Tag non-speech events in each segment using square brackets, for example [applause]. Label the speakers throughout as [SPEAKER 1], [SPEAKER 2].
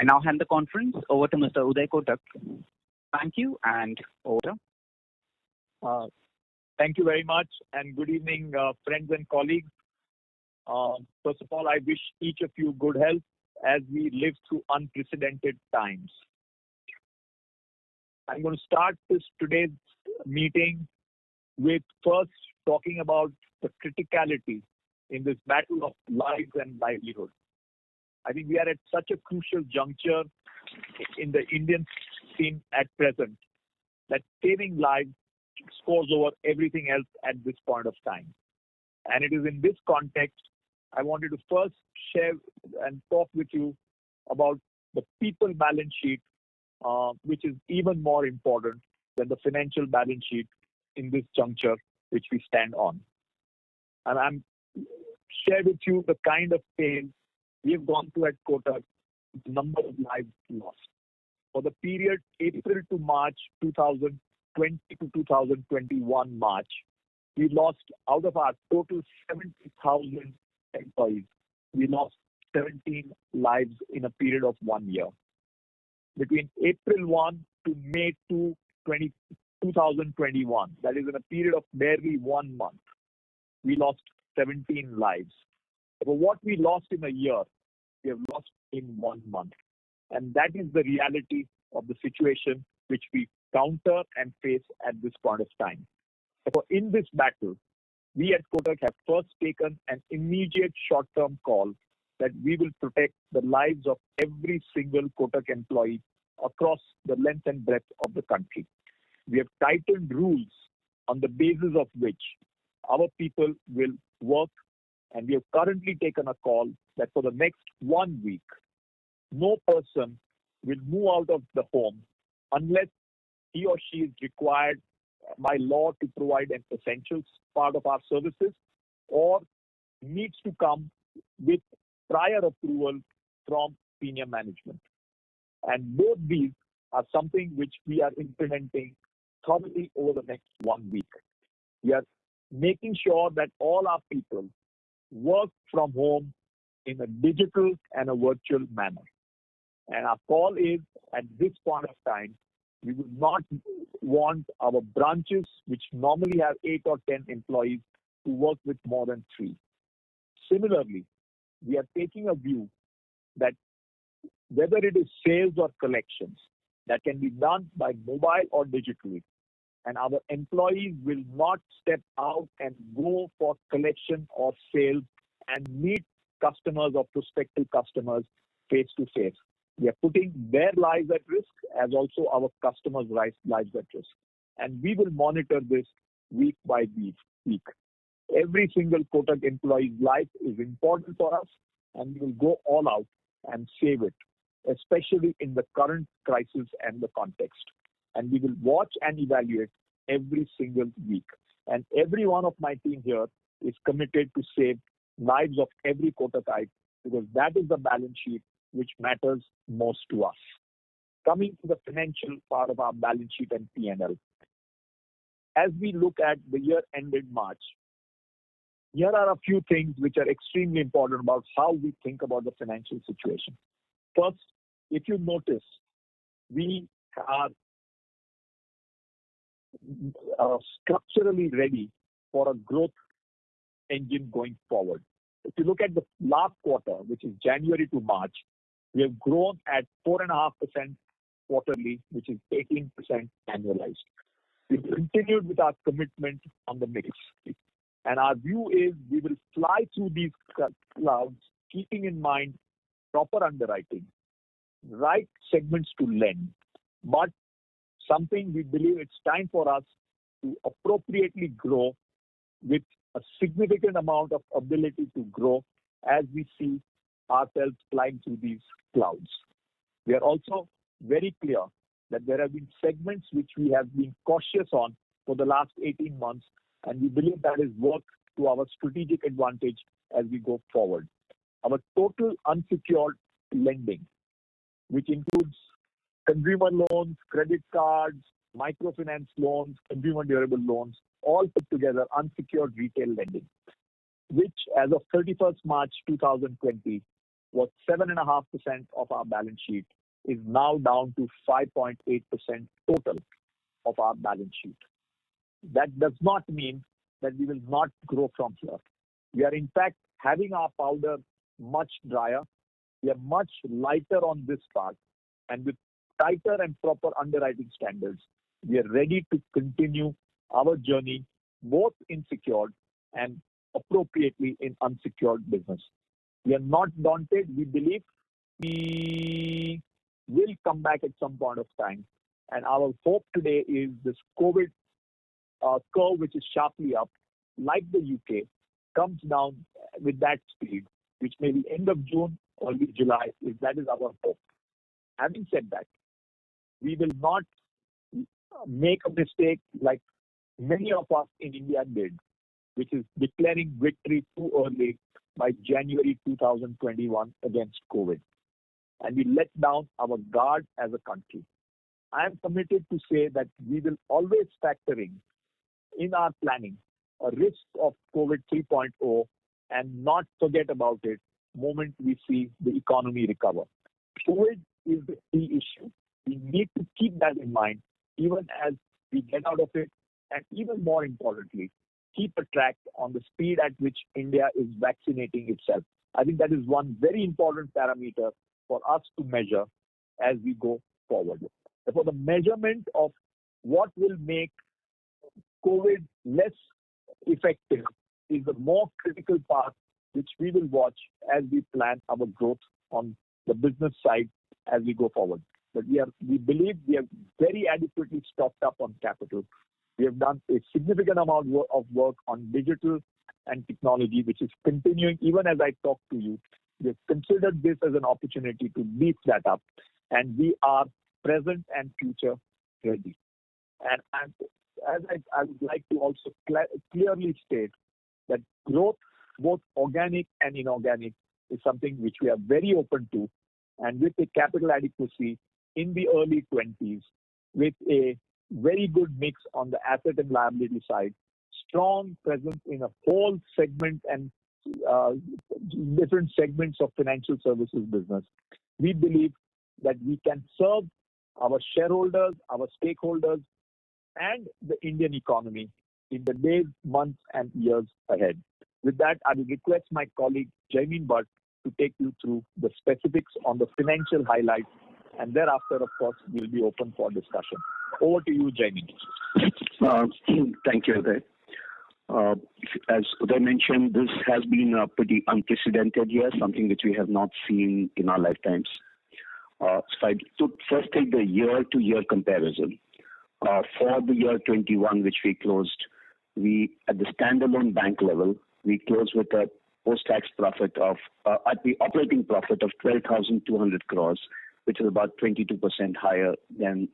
[SPEAKER 1] I now hand the conference over to Mr. Uday Kotak. Thank you, and over to you.
[SPEAKER 2] Thank you very much and good evening, friends and colleagues. First of all, I wish each of you good health as we live through unprecedented times. I'm going to start today's meeting with first talking about the criticality in this battle of lives and livelihood. I think we are at such a crucial juncture in the Indian scene at present that saving lives scores over everything else at this point of time. It is in this context, I wanted to first share and talk with you about the people balance sheet, which is even more important than the financial balance sheet in this juncture which we stand on. I'll share with you the kind of pain we have gone through at Kotak with the number of lives lost. For the period April to March 2020 to 2021 March, we lost out of our total 17,000 employees, we lost 17 lives in a period of one year. Between April 1 to May 2, 2021, that is in a period of barely one month, we lost 17 lives. What we lost in a year, we have lost in one month, that is the reality of the situation which we counter and face at this point of time. In this battle, we at Kotak have first taken an immediate short-term call that we will protect the lives of every single Kotak employee across the length and breadth of the country. We have tightened rules on the basis of which our people will work. We have currently taken a call that for the next one week, no person will move out of the home unless he or she is required by law to provide an essential part of our services or needs to come with prior approval from senior management. Both these are something which we are implementing probably over the next one week. We are making sure that all our people work from home in a digital and a virtual manner. Our call is, at this point of time, we would not want our branches, which normally have eight or 10 employees, to work with more than three. Similarly, we are taking a view that whether it is sales or collections, that can be done by mobile or digitally, and our employees will not step out and go for collection or sale and meet customers or prospective customers face-to-face. We are putting their lives at risk as also our customers' lives at risk. We will monitor this week by week. Every single Kotak employee life is important for us, and we will go all out and save it, especially in the current crisis and the context. We will watch and evaluate every single week. Every one of my team here is committed to save lives of every Kotakite because that is the balance sheet which matters most to us. Coming to the financial part of our balance sheet and P&L. As we look at the year ended March, here are a few things which are extremely important about how we think about the financial situation. First, if you notice, we are structurally ready for a growth engine going forward. If you look at the last quarter, which is January to March, we have grown at 4.5% quarterly, which is 18% annualized. We've continued with our commitment on the mix. Our view is we will fly through these clouds keeping in mind proper underwriting, right segments to lend. Something we believe it's time for us to appropriately grow with a significant amount of ability to grow as we see ourselves flying through these clouds. We are also very clear that there have been segments which we have been cautious on for the last 18 months, and we believe that has worked to our strategic advantage as we go forward. Our total unsecured lending, which includes consumer loans, credit cards, microfinance loans, consumer durable loans, all put together unsecured retail lending, which as of 31st March 2020, was 7.5% of our balance sheet, is now down to 5.8% total of our balance sheet. That does not mean that we will not grow from here. We are, in fact, having our powder much drier. We are much lighter on this part, and with tighter and proper underwriting standards, we are ready to continue our journey, both in secured and appropriately in unsecured business. We are not daunted. We believe we will come back at some point of time, and our hope today is this COVID curve, which is sharply up, like the U.K., comes down with that speed, which may be end of June, early July. That is our hope. Having said that, we will not make a mistake like many of us in India did, which is declaring victory too early by January 2021 against COVID. We let down our guard as a country. I am committed to say that we will always factor in our planning, a risk of COVID 3.0 and not forget about it the moment we see the economy recover. COVID is the key issue. We need to keep that in mind even as we get out of it, and even more importantly, keep a track on the speed at which India is vaccinating itself. I think that is one very important parameter for us to measure as we go forward. Therefore, the measurement of what will make COVID less effective is the more critical part which we will watch as we plan our growth on the business side as we go forward. We believe we are very adequately stocked up on capital. We have done a significant amount of work on digital and technology, which is continuing even as I talk to you. We have considered this as an opportunity to beef that up, and we are present and future-ready. As I would like to also clearly state that growth, both organic and inorganic, is something which we are very open to. With a capital adequacy in the early 20s, with a very good mix on the asset and liability side, strong presence in a whole segment and different segments of financial services business, we believe that we can serve our shareholders, our stakeholders, and the Indian economy in the days, months, and years ahead. With that, I will request my colleague, Jaimin Bhatt, to take you through the specifics on the financial highlights, and thereafter, of course, we'll be open for discussion. Over to you, Jaimin.
[SPEAKER 3] Thank you, Uday. As Uday mentioned, this has been a pretty unprecedented year, something which we have not seen in our lifetimes. I took first take the year-to-year comparison. For the year 2021, which we closed, at the standalone bank level, we closed with an operating profit of 12,200 crore, which is about 22% higher than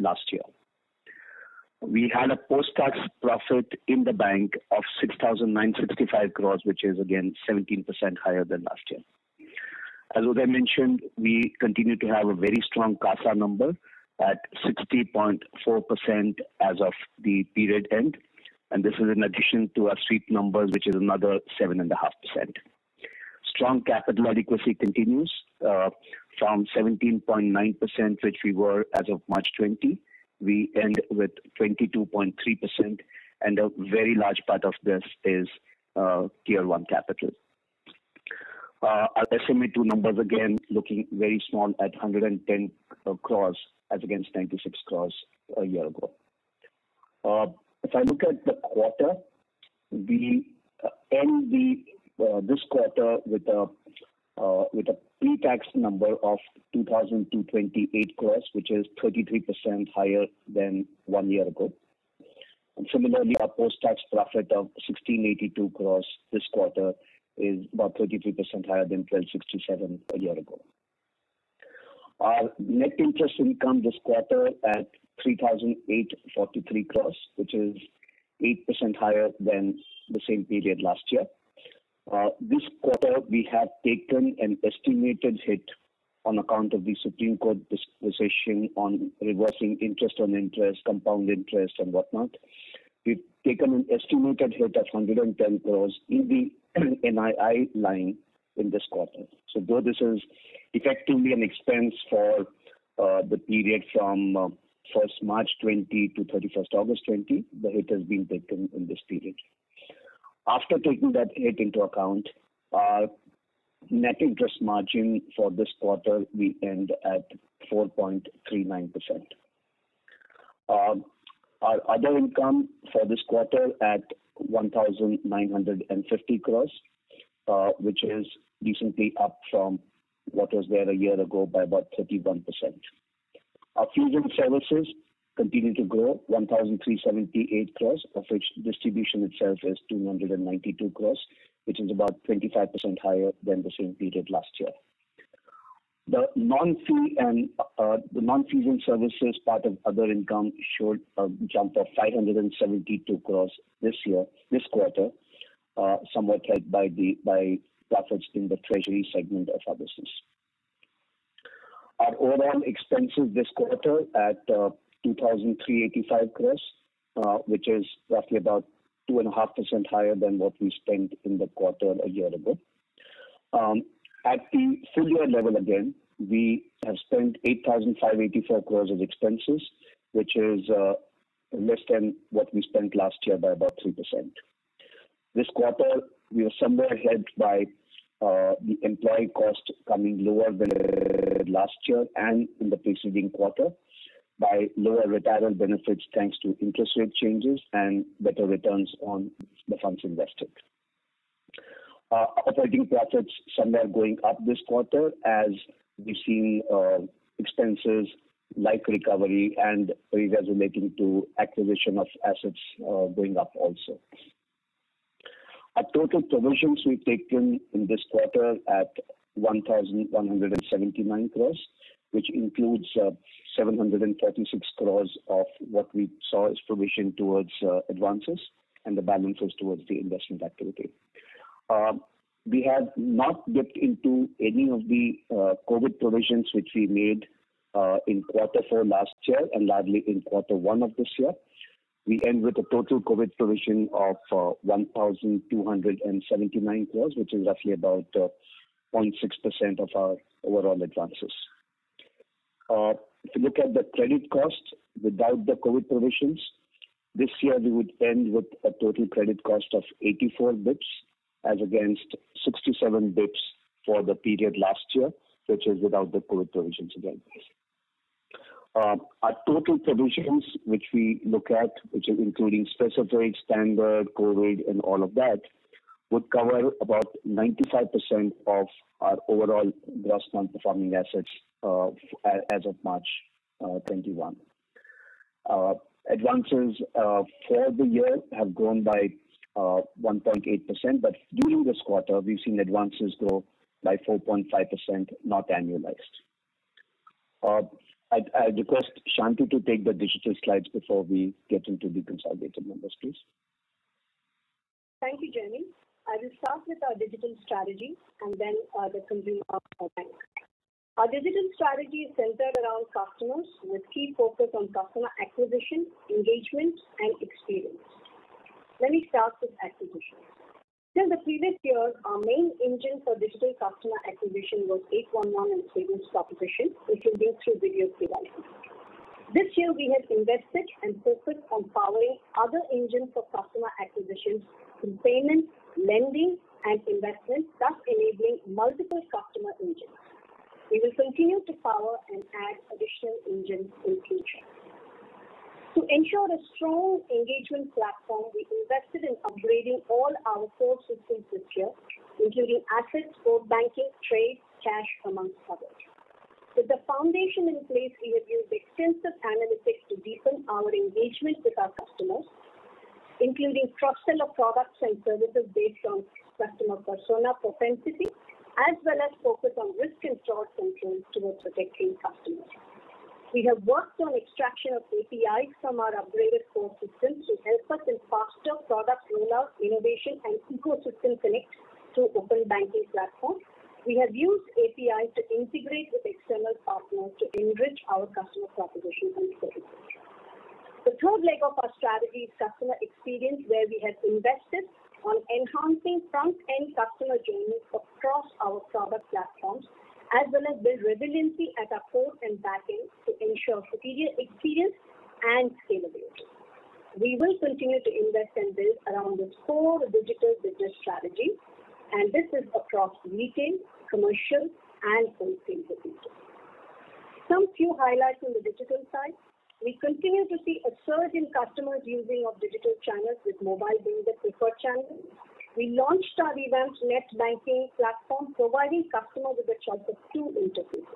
[SPEAKER 3] last year. We had a post-tax profit in the bank of 6,965 crore, which is again 17% higher than last year. As Uday mentioned, we continue to have a very strong CASA number at 60.4% as of the period end. This is in addition to our sweep numbers, which is another 7.5%. Strong capital adequacy continues from 17.9%, which we were as of March 2020. We end with 22.3%. A very large part of this is Tier 1 capital. Our SMA2 numbers, again, looking very strong at 110 crore as against 96 crore a year ago. If I look at the quarter, we end this quarter with a pre-tax number of 2,228 crore, which is 33% higher than one year ago. Similarly, our post-tax profit of 1,682 crore this quarter is about 33% higher than 1,267 crore a year ago. Our net interest income this quarter at 3,843 crore, which is 8% higher than the same period last year. This quarter, we have taken an estimated hit on account of the Supreme Court decision on reversing interest on interest, compound interest and whatnot. We've taken an estimated hit of 110 crores in the NII line in this quarter. Though this is effectively an expense for the period from 1st March 2020 to 31st August 2020, the hit has been taken in this period. After taking that hit into account, our net interest margin for this quarter, we end at 4.39%. Our other income for this quarter at 1,950 crore, which is decently up from what was there a year ago by about 31%. Our fee and commission services continue to grow, 1,378 crore, of which distribution itself is 292 crore, which is about 25% higher than the same period last year. The non-fee and commission services part of other income showed a jump of 572 crore this quarter, somewhat helped by profits in the treasury segment of our business. Our Operating Expenditure expenses this quarter at 2,385 crore which is roughly about 2.5% higher than what we spent in the quarter a year ago. At the full year level, again, we have spent 8,584 crore of expenses, which is less than what we spent last year by about 3%. This quarter, we are somewhat helped by the employee cost coming lower than last year and in the preceding quarter by lower retirement benefits, thanks to interest rate changes and better returns on the funds invested. Our operating profits somewhere going up this quarter as we see expenses like recovery and revaluing to acquisition of assets going up also. Our total provisions we've taken in this quarter at 1,179 crore, which includes 736 crore of what we saw as provision towards advances, and the balance was towards the investment activity. We have not dipped into any of the COVID provisions which we made in quarter four last year and largely in quarter one of this year. We end with a total COVID provision of 1,279 crore, which is roughly about 0.6% of our overall advances. If you look at the credit cost without the COVID provisions, this year we would end with a total credit cost of 84 basis points as against 67 basis points for the period last year, which is without the COVID provisions again. Our total provisions, which we look at, which are including specific, standard, COVID, and all of that, would cover about 95% of our overall gross non-performing assets as of March 2021. Advances for the year have grown by 1.8%, but during this quarter, we've seen advances grow by 4.5%, not annualized. I request Shanti to take the digital slides before we get into the consolidated numbers, please.
[SPEAKER 4] Thank you, Jaimin. I will start with our digital strategy and then the consumer of our bank. Our digital strategy is centered around customers with key focus on customer acquisition, engagement, and experience. Let me start with acquisition. During the previous years, our main engine for digital customer acquisition was 811 and savings proposition, which will be through video KYC. This year, we have invested and focused on powering other engines for customer acquisitions through payments, lending, and investments, thus enabling multiple customer engines. We will continue to power and add additional engines in future. To ensure a strong engagement platform, we invested in upgrading all our core systems this year, including assets, core banking, trade, cash, amongst others. With the foundation in place, we have used extensive analytics to deepen our engagement with our customers, including cross-sell of products and services based on customer persona propensity, as well as focus on risk and fraud controls towards protecting customers. We have worked on extraction of APIs from our upgraded core systems to help us in faster product roll-outs, innovation, and ecosystem connects to open banking platforms. We have used APIs to integrate with external partners to enrich our customer propositions and services. The third leg of our strategy is customer experience, where we have invested on enhancing front-end customer journeys across our product platforms, as well as build resiliency at our core and back end to ensure superior experience and scalability. We will continue to invest and build around this core digital business strategy, and this is across retail, commercial, and wholesale business. Some few highlights on the digital side. We continue to see a surge in customers using our digital channels, with mobile being the preferred channel. We launched our revamped net banking platform, providing customers with a choice of two interfaces.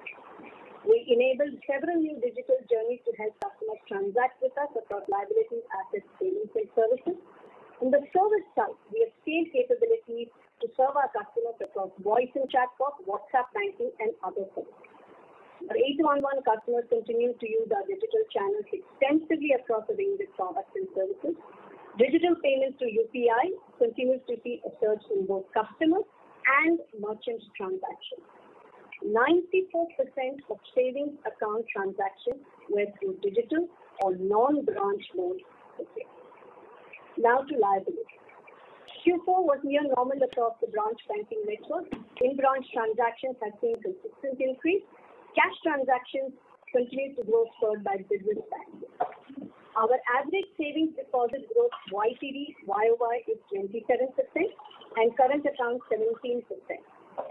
[SPEAKER 4] We enabled several new digital journeys to help customers transact with us across liability, assets, payments, and services. On the service side, we have scaled capabilities to serve our customers across voice and chatbot, WhatsApp banking, and other forms. Our 811 customers continue to use our digital channels extensively across a range of products and services. Digital payments through UPI continues to see a surge in both customer and merchant transactions. 94% of savings account transactions were through digital or non-branch modes. To liabilities. Q4 was near normal across the branch banking network. In-branch transactions have seen consistent increase. Cash transactions continue to grow, spurred by business banking. Our average savings deposit growth YTD YoY is 27%, and current account 17%.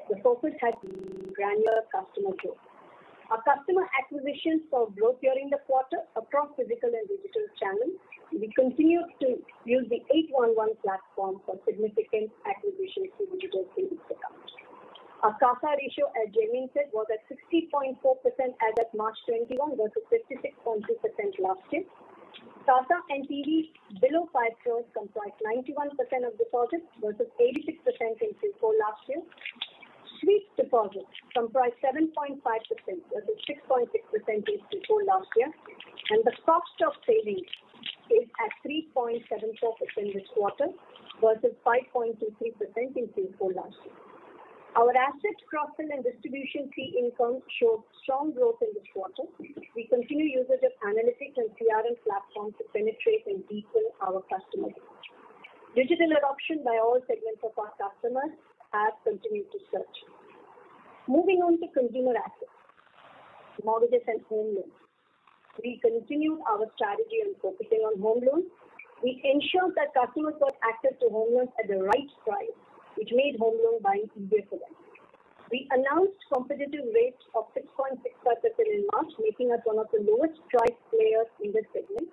[SPEAKER 4] The focus has been granular customer growth. Our customer acquisitions saw growth during the quarter across physical and digital channels. We continued to use the 811 platform for significant acquisitions through digital savings accounts. Our CASA ratio, as Jaimin said, was at 60.4% as at March 2021 versus 56.2% last year. CASA and TD below 5 crore comprise 91% of deposits versus 86% in Q4 last year. Sweeps deposits comprise 7.5% versus 6.6% in Q4 last year, and the cost of savings is at 3.74% this quarter versus 5.23% in Q4 last year. Our assets cross-sell and distribution fee income showed strong growth in this quarter. We continue usage of analytics and CRM platforms to penetrate and deepen our customer engagement. Digital adoption by all segments of our customers has continued to surge. Moving on to consumer assets, mortgages, and home loans. We continued our strategy on focusing on home loans. We ensured that customers got access to home loans at the right price, which made home loan buying easier for them. We announced competitive rates of 6.6% in March, making us one of the lowest priced players in this segment.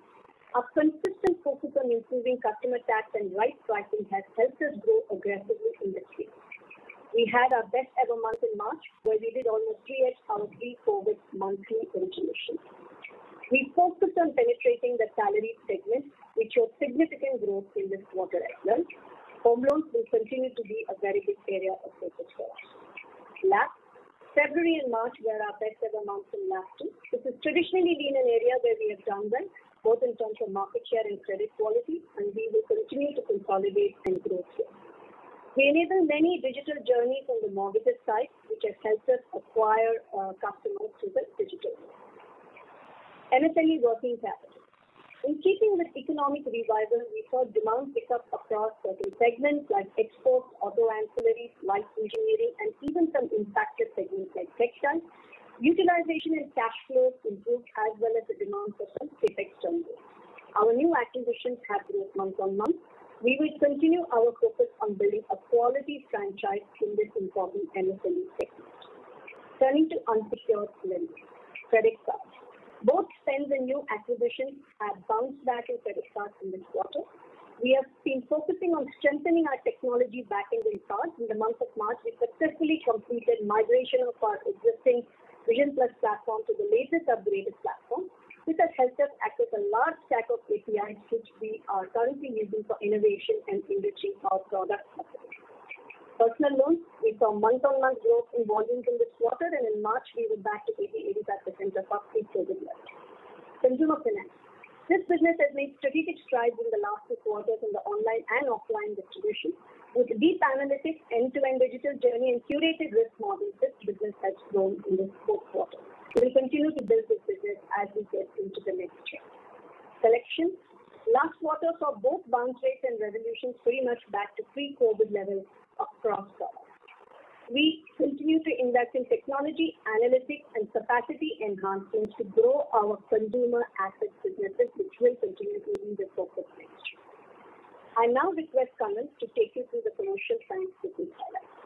[SPEAKER 4] Our consistent focus on improving customer tax and right pricing has helped us grow aggressively in this space. We had our best-ever month in March, where we did almost 3x of pre-COVID monthly originations. We focused on penetrating the salaried segment, which showed significant growth in this quarter as well. Home loans will continue to be a very big area of focus for us. Last February and March were our best ever months in lending. This has traditionally been an area where we have done well, both in terms of market share and credit quality, and we will continue to consolidate and grow here. We enabled many digital journeys on the mortgages side, which has helped us acquire customers through the digital way. MSME working capital. In keeping with economic revival, we saw demand pick up across certain segments like exports, auto ancillaries, light engineering, and even some impacted segments like textiles. Utilization and cash flows improved as well as the demand for some CapEx term loans. Our new acquisitions have grown month-on-month. We will continue our focus on building a quality franchise in this important MSME segment. Turning to unsecured loans. Credit cards. Both spends and new acquisitions have bounced back in credit cards in this quarter. We have been focusing on strengthening our technology backend in cards. In the month of March, we successfully completed migration of our existing VisionPLUS platform to the latest upgraded platform, which has helped us access a large stack of APIs, which we are currently using for innovation and enriching our product offering. Personal loans. We saw month-on-month growth in volumes in this quarter, and in March we were back to 85% of our pre-COVID levels. Consumer finance. This business has made strategic strides in the last two quarters in the online and offline distribution. With deep analytics, end-to-end digital journey and curated risk models, this business has grown in this fourth quarter. We will continue to build this business as we get into the next year. Collections. Last quarter saw both bounce rates and resolutions pretty much back to pre-COVID levels across products. We continue to invest in technology, analytics and capacity enhancements to grow our consumer asset businesses, which will continue to be the focus next year. I now request Kannan to take you through the commercial finance business highlights.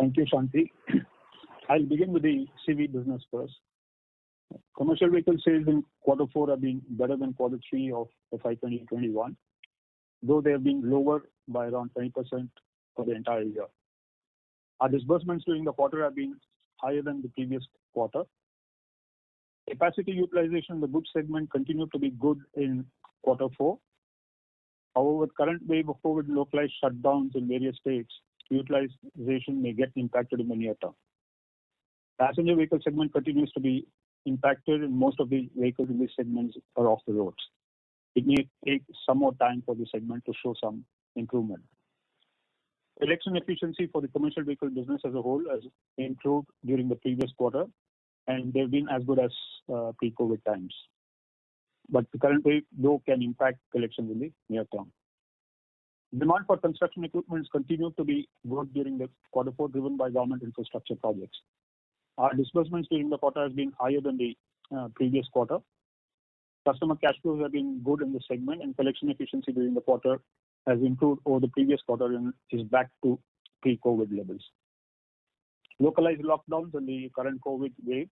[SPEAKER 5] Thank you, Shanti. I'll begin with the CV business first. Commercial vehicle sales in quarter four have been better than quarter three of FY 2021, though they have been lower by around 20% for the entire year. Our disbursements during the quarter have been higher than the previous quarter. Capacity utilization in the goods segment continued to be good in quarter four. Current wave of COVID localized shutdowns in various states, utilization may get impacted in the near term. Passenger vehicle segment continues to be impacted, and most of the vehicles in this segment are off the roads. It may take some more time for this segment to show some improvement. Collection efficiency for the commercial vehicle business as a whole has improved during the previous quarter, and they've been as good as pre-COVID times. The current wave, though, can impact collection in the near term. Demand for construction equipment continued to be good during the quarter four, driven by government infrastructure projects. Our disbursements during the quarter have been higher than the previous quarter. Customer cash flows have been good in this segment, and collection efficiency during the quarter has improved over the previous quarter and is back to pre-COVID levels. Localized lockdowns in the current COVID wave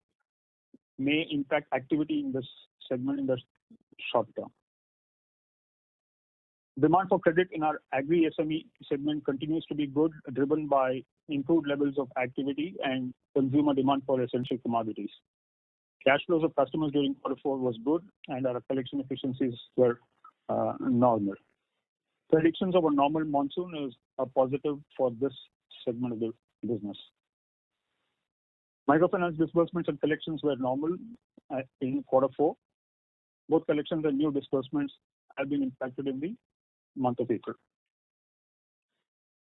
[SPEAKER 5] may impact activity in this segment in the short term. Demand for credit in our Agri SME segment continues to be good, driven by improved levels of activity and consumer demand for essential commodities. Cash flows of customers during quarter four was good, and our collection efficiencies were normal. Predictions of a normal monsoon is a positive for this segment of the business. Microfinance disbursements and collections were normal in quarter four. Both collections and new disbursements have been impacted in the month of April.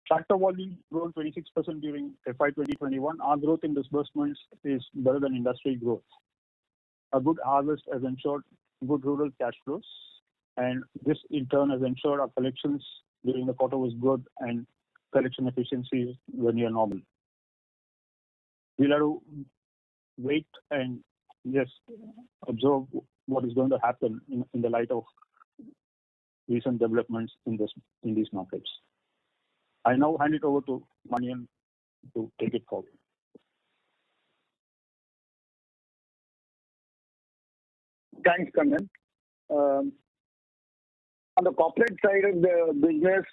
[SPEAKER 5] Tractor volumes grew 26% during FY 2021. Our growth in disbursements is better than industry growth. This in turn has ensured our collections during the quarter was good and collection efficiencies were near normal. We'll have to wait and just observe what is going to happen in the light of recent developments in these markets. I now hand it over to Manian to take it forward.
[SPEAKER 6] Thanks, Kannan. On the corporate side of the business,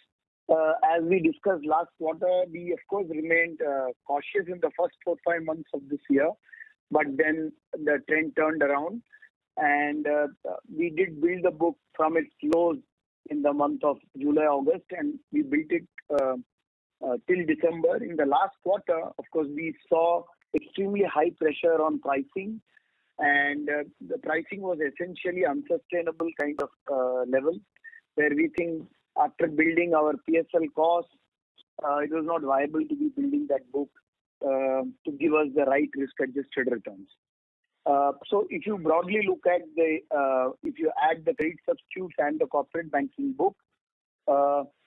[SPEAKER 6] as we discussed last quarter, we of course, remained cautious in the first four, five months of this year, but then the trend turned around. We did build the book from its lows in the month of July, August, and we built it till December. In the last quarter, of course, we saw extremely high pressure on pricing, and the pricing was essentially unsustainable kind of level, where we think after building our PSL cost, it was not viable to be building that book to give us the right risk-adjusted returns. If you broadly look at the, if you add the trade substitutes and the corporate banking book,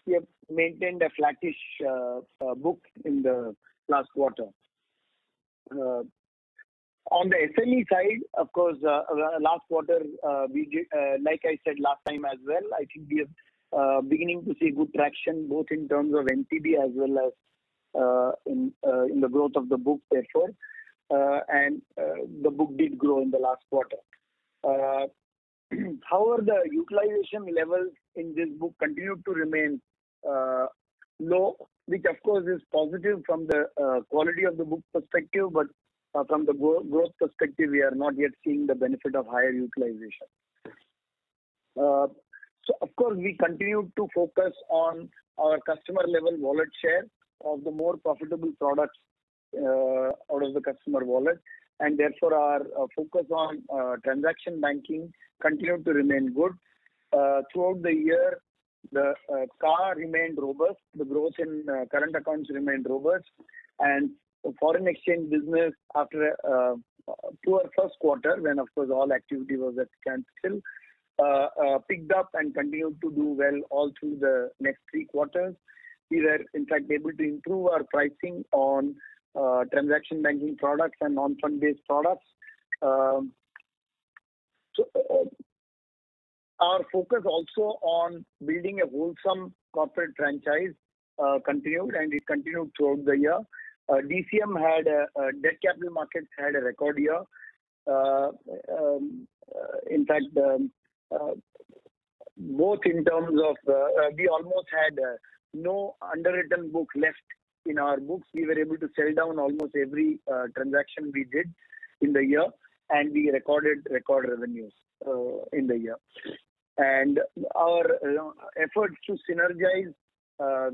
[SPEAKER 6] we have maintained a flattish book in the last quarter. On the SME side, of course, last quarter, like I said last time as well, I think we are beginning to see good traction, both in terms of NTB as well as in the growth of the book therefore, and the book did grow in the last quarter. However, the utilization levels in this book continue to remain low, which of course is positive from the quality of the book perspective, but from the growth perspective, we are not yet seeing the benefit of higher utilization. Of course, we continue to focus on our customer-level wallet share of the more profitable products out of the customer wallet. Therefore, our focus on transaction banking continued to remain good. Throughout the year, the CAR remained robust. The growth in current accounts remained robust. Foreign exchange business after a poor first quarter, when, of course, all activity was at standstill, picked up and continued to do well all through the next three quarters. We were, in fact, able to improve our pricing on transaction banking products and non-fund-based products. Our focus also on building a wholesome corporate franchise continued, and it continued throughout the year. DCM, debt capital markets, had a record year. In fact, both in terms of, we almost had no underwritten book left in our books. We were able to sell down almost every transaction we did in the year, and we recorded record revenues in the year. Our efforts to synergize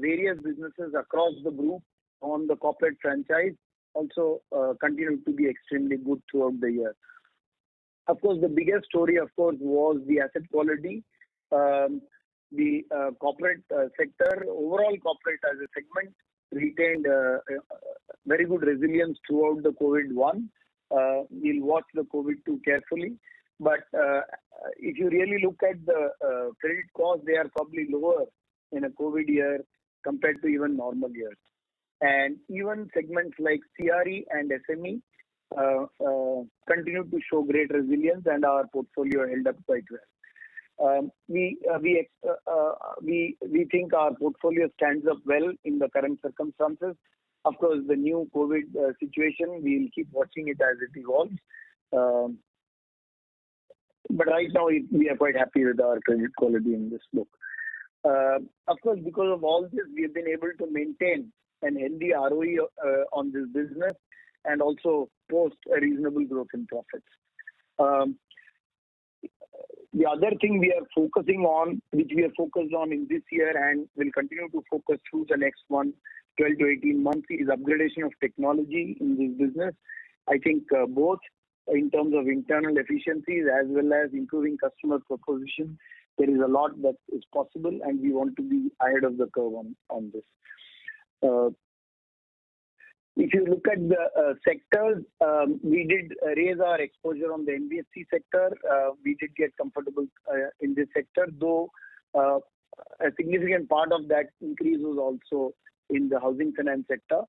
[SPEAKER 6] various businesses across the group on the corporate franchise also continued to be extremely good throughout the year. Of course, the biggest story was the asset quality. The corporate sector, overall corporate as a segment, retained very good resilience throughout the COVID-19. We will watch the COVID-19 carefully. If you really look at the credit costs, they are probably lower in a COVID year compared to even normal years. Even segments like CRE and SME continued to show great resilience, and our portfolio held up quite well. We think our portfolio stands up well in the current circumstances. Of course, the new COVID situation, we will keep watching it as it evolves. Right now, we are quite happy with our credit quality in this book. Of course, because of all this, we have been able to maintain a healthy ROE on this business and also post a reasonable growth in profits. The other thing we are focusing on, which we have focused on in this year and will continue to focus through the next 12-18 months, is upgradation of technology in this business. I think both in terms of internal efficiencies as well as improving customer proposition, there is a lot that is possible, and we want to be ahead of the curve on this. If you look at the sectors, we did raise our exposure on the NBFC sector. We did get comfortable in this sector, though a significant part of that increase was also in the housing finance sector,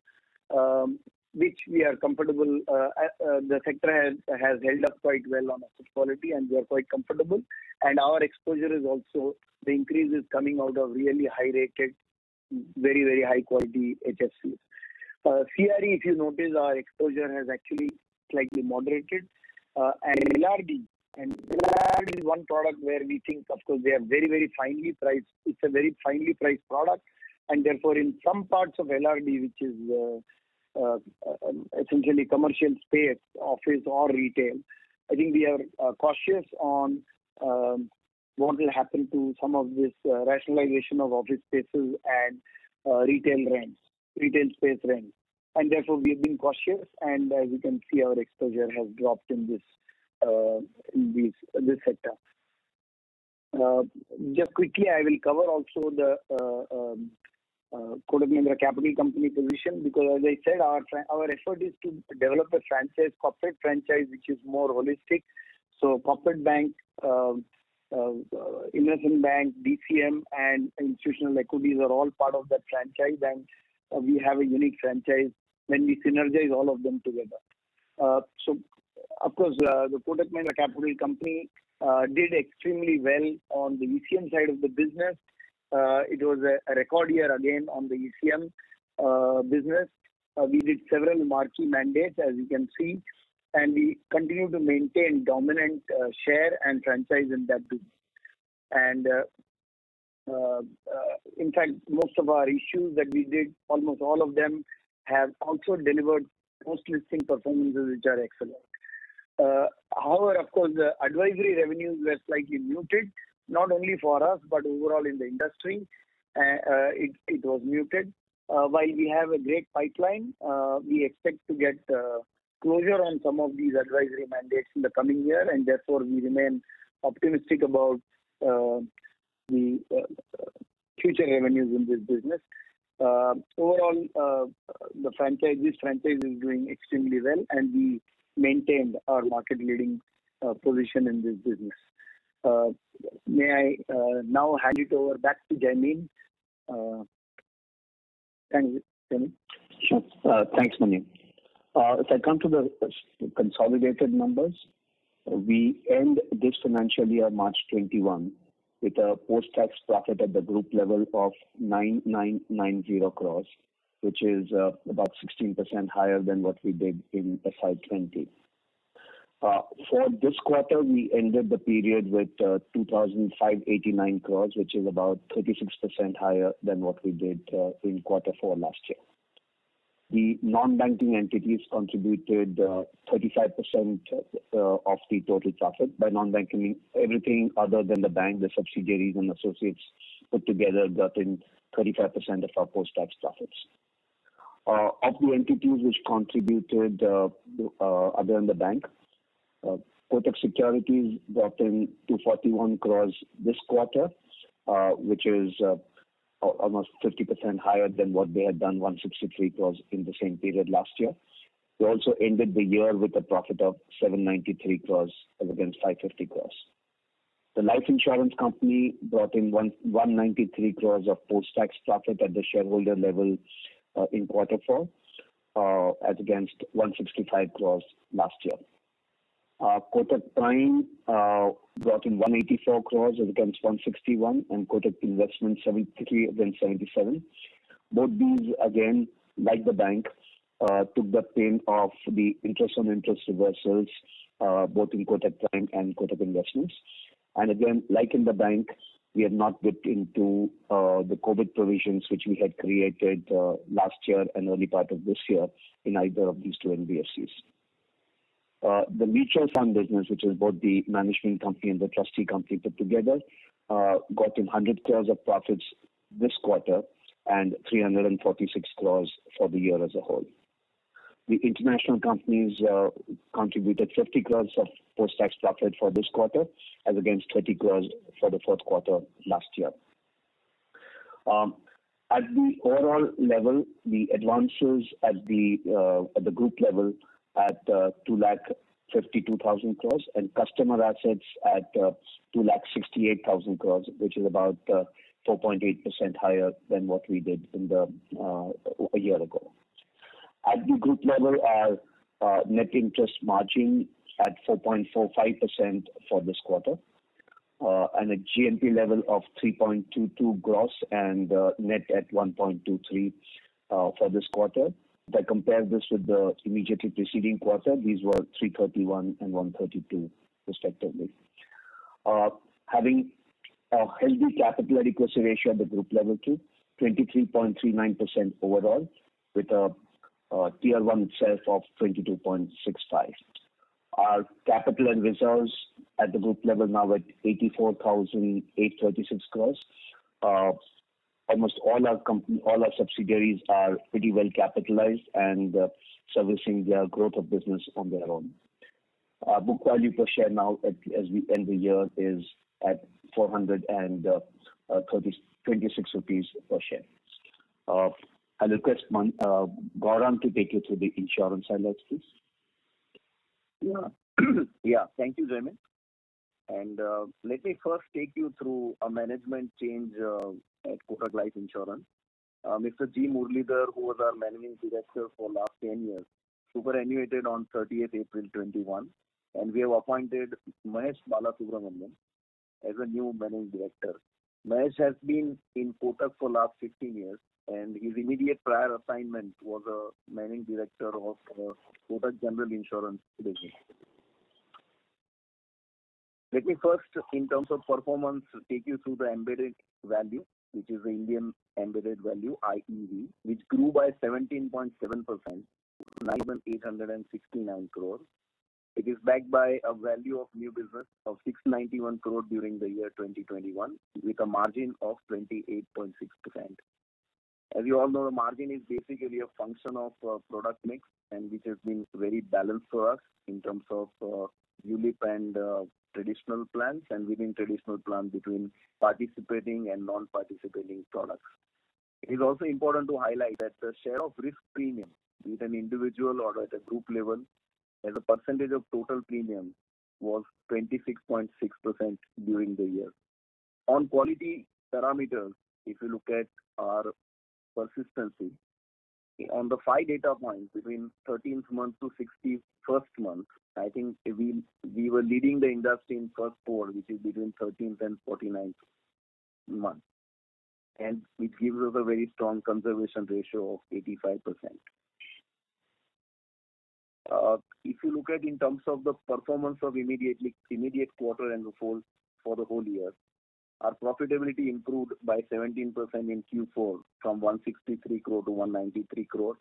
[SPEAKER 6] which we are comfortable. The sector has held up quite well on asset quality, and we are quite comfortable. Our exposure is also, the increase is coming out of really high-rated, very high-quality HFCs. CRE, if you notice, our exposure has actually slightly moderated. LRD is one product where we think, of course, they are very finely priced. It's a very finely priced product, and therefore, in some parts of LRD, which is essentially commercial space, office or retail, I think we are cautious on what will happen to some of this rationalization of office spaces and retail space rents. Therefore, we have been cautious, and as you can see, our exposure has dropped in this sector. Just quickly, I will cover also the Kotak Mahindra Capital Company position because as I said, our effort is to develop a corporate franchise which is more holistic. Corporate Bank, Investment Bank, DCM, and Institutional Equities are all part of that franchise. We have a unique franchise when we synergize all of them together. Of course, the Kotak Mahindra Capital Company did extremely well on the ECM side of the business. It was a record year again on the ECM business. We did several marquee mandates, as you can see, and we continued to maintain dominant share and franchise in that business. In fact, most of our issues that we did, almost all of them have also delivered post-listing performances which are excellent. However, of course, the advisory revenues were slightly muted, not only for us, but overall in the industry. It was muted. While we have a great pipeline, we expect to get closure on some of these advisory mandates in the coming year. Therefore, we remain optimistic about the future revenues in this business. Overall, this franchise is doing extremely well, and we maintained our market-leading position in this business. May I now hand it over back to Jaimin? Thank you. Jaimin.
[SPEAKER 3] Sure. Thanks, Manian. If I come to the consolidated numbers, we end this financial year, March 2021, with a post-tax profit at the group level of 9,990 crore, which is about 16% higher than what we did in FY 2020. For this quarter, we ended the period with 2,589 crore, which is about 36% higher than what we did in Quarter Four last year. The non-banking entities contributed 35% of the total profit. By non-bank, I mean everything other than the bank. The subsidiaries and associates put together got in 35% of our post-tax profits. Of the entities which contributed other than the bank, Kotak Securities brought in 241 crore this quarter, which is almost 50% higher than what they had done, 163 crore in the same period last year. We also ended the year with a profit of 793 crore as against 550 crore. The life insurance company brought in 193 crore of post-tax profit at the shareholder level in quarter four, as against 165 crore last year. Kotak Prime brought in 184 crore against 161 and Kotak Investments 73 crore against 77 crore. Both these, again, like the bank, took the pain of the interest on interest reversals, both in Kotak Prime and Kotak Investments. Again, like in the bank, we have not dipped into the COVID provisions which we had created last year and early part of this year in either of these two NBFCs. The mutual fund business, which is both the management company and the trustee company put together, got in 100 crore of profits this quarter and 346 crore for the year as a whole. The international companies contributed 50 crore of post-tax profit for this quarter as against 20 crore for the fourth quarter last year. At the overall level, the advances at the group level at 252,000 crore and customer assets at 268,000 crore, which is about 4.8% higher than what we did a year ago. At the group level, our net interest margin at 4.45% for this quarter, and a GNPA level of 3.22% gross and net at 1.23% for this quarter. If I compare this with the immediately preceding quarter, these were 3.31% and 1.32% respectively. Having a healthy capital adequacy ratio at the group level too, 23.39% overall with a Tier 1 itself of 22.65%. Our capital and reserves at the group level now at 84,836 crore. Almost all our subsidiaries are pretty well capitalized and servicing their growth of business on their own. Our book value per share now as we end the year is at 426 rupees per share. I request Gaurang to take you through the insurance highlights, please.
[SPEAKER 7] Thank you, Jaimin. Let me first take you through a management change at Kotak Mahindra Life Insurance. Mr. G. Murlidhar, who was our managing director for last 10 years, superannuated on 30th April 2021, and we have appointed Mahesh Balasubramanian as a new managing director. Mahesh has been in Kotak for the last 15 years, and his immediate prior assignment was a managing director of Kotak General Insurance business. Let me first, in terms of performance, take you through the embedded value, which is the Indian Embedded Value, IEV, which grew by 17.7% to 9,869 crore. It is backed by a value of new business of 691 crore during the year 2021, with a margin of 28.6%. As you all know, the margin is basically a function of product mix, which has been very balanced for us in terms of ULIP and traditional plans, and within traditional plan between participating and non-participating products. It is also important to highlight that the share of risk premium, be it an individual or at a group level, as a percentage of total premium was 26.6% during the year. On quality parameters, if you look at our persistency on the five data points between 13th month to 61st month, I think we were leading the industry in first four, which is between 13th and 49th month. It gives us a very strong conservation ratio of 85%. If you look at in terms of the performance of immediate quarter and for the whole year, our profitability improved by 17% in Q4 from 163 crore to 193 crore.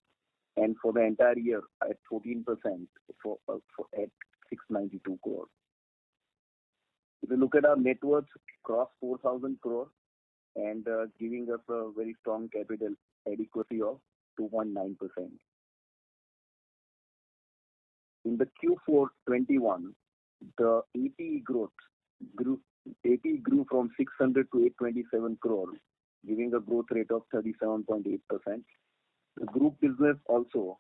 [SPEAKER 7] For the entire year at 14% at 692 crore. If you look at our net worth, it crossed 4,000 crore and giving us a very strong capital adequacy of 2.9%. In the Q4 2021, the APE grew from 600 crore to 827 crore, giving a growth rate of 37.8%. The group business also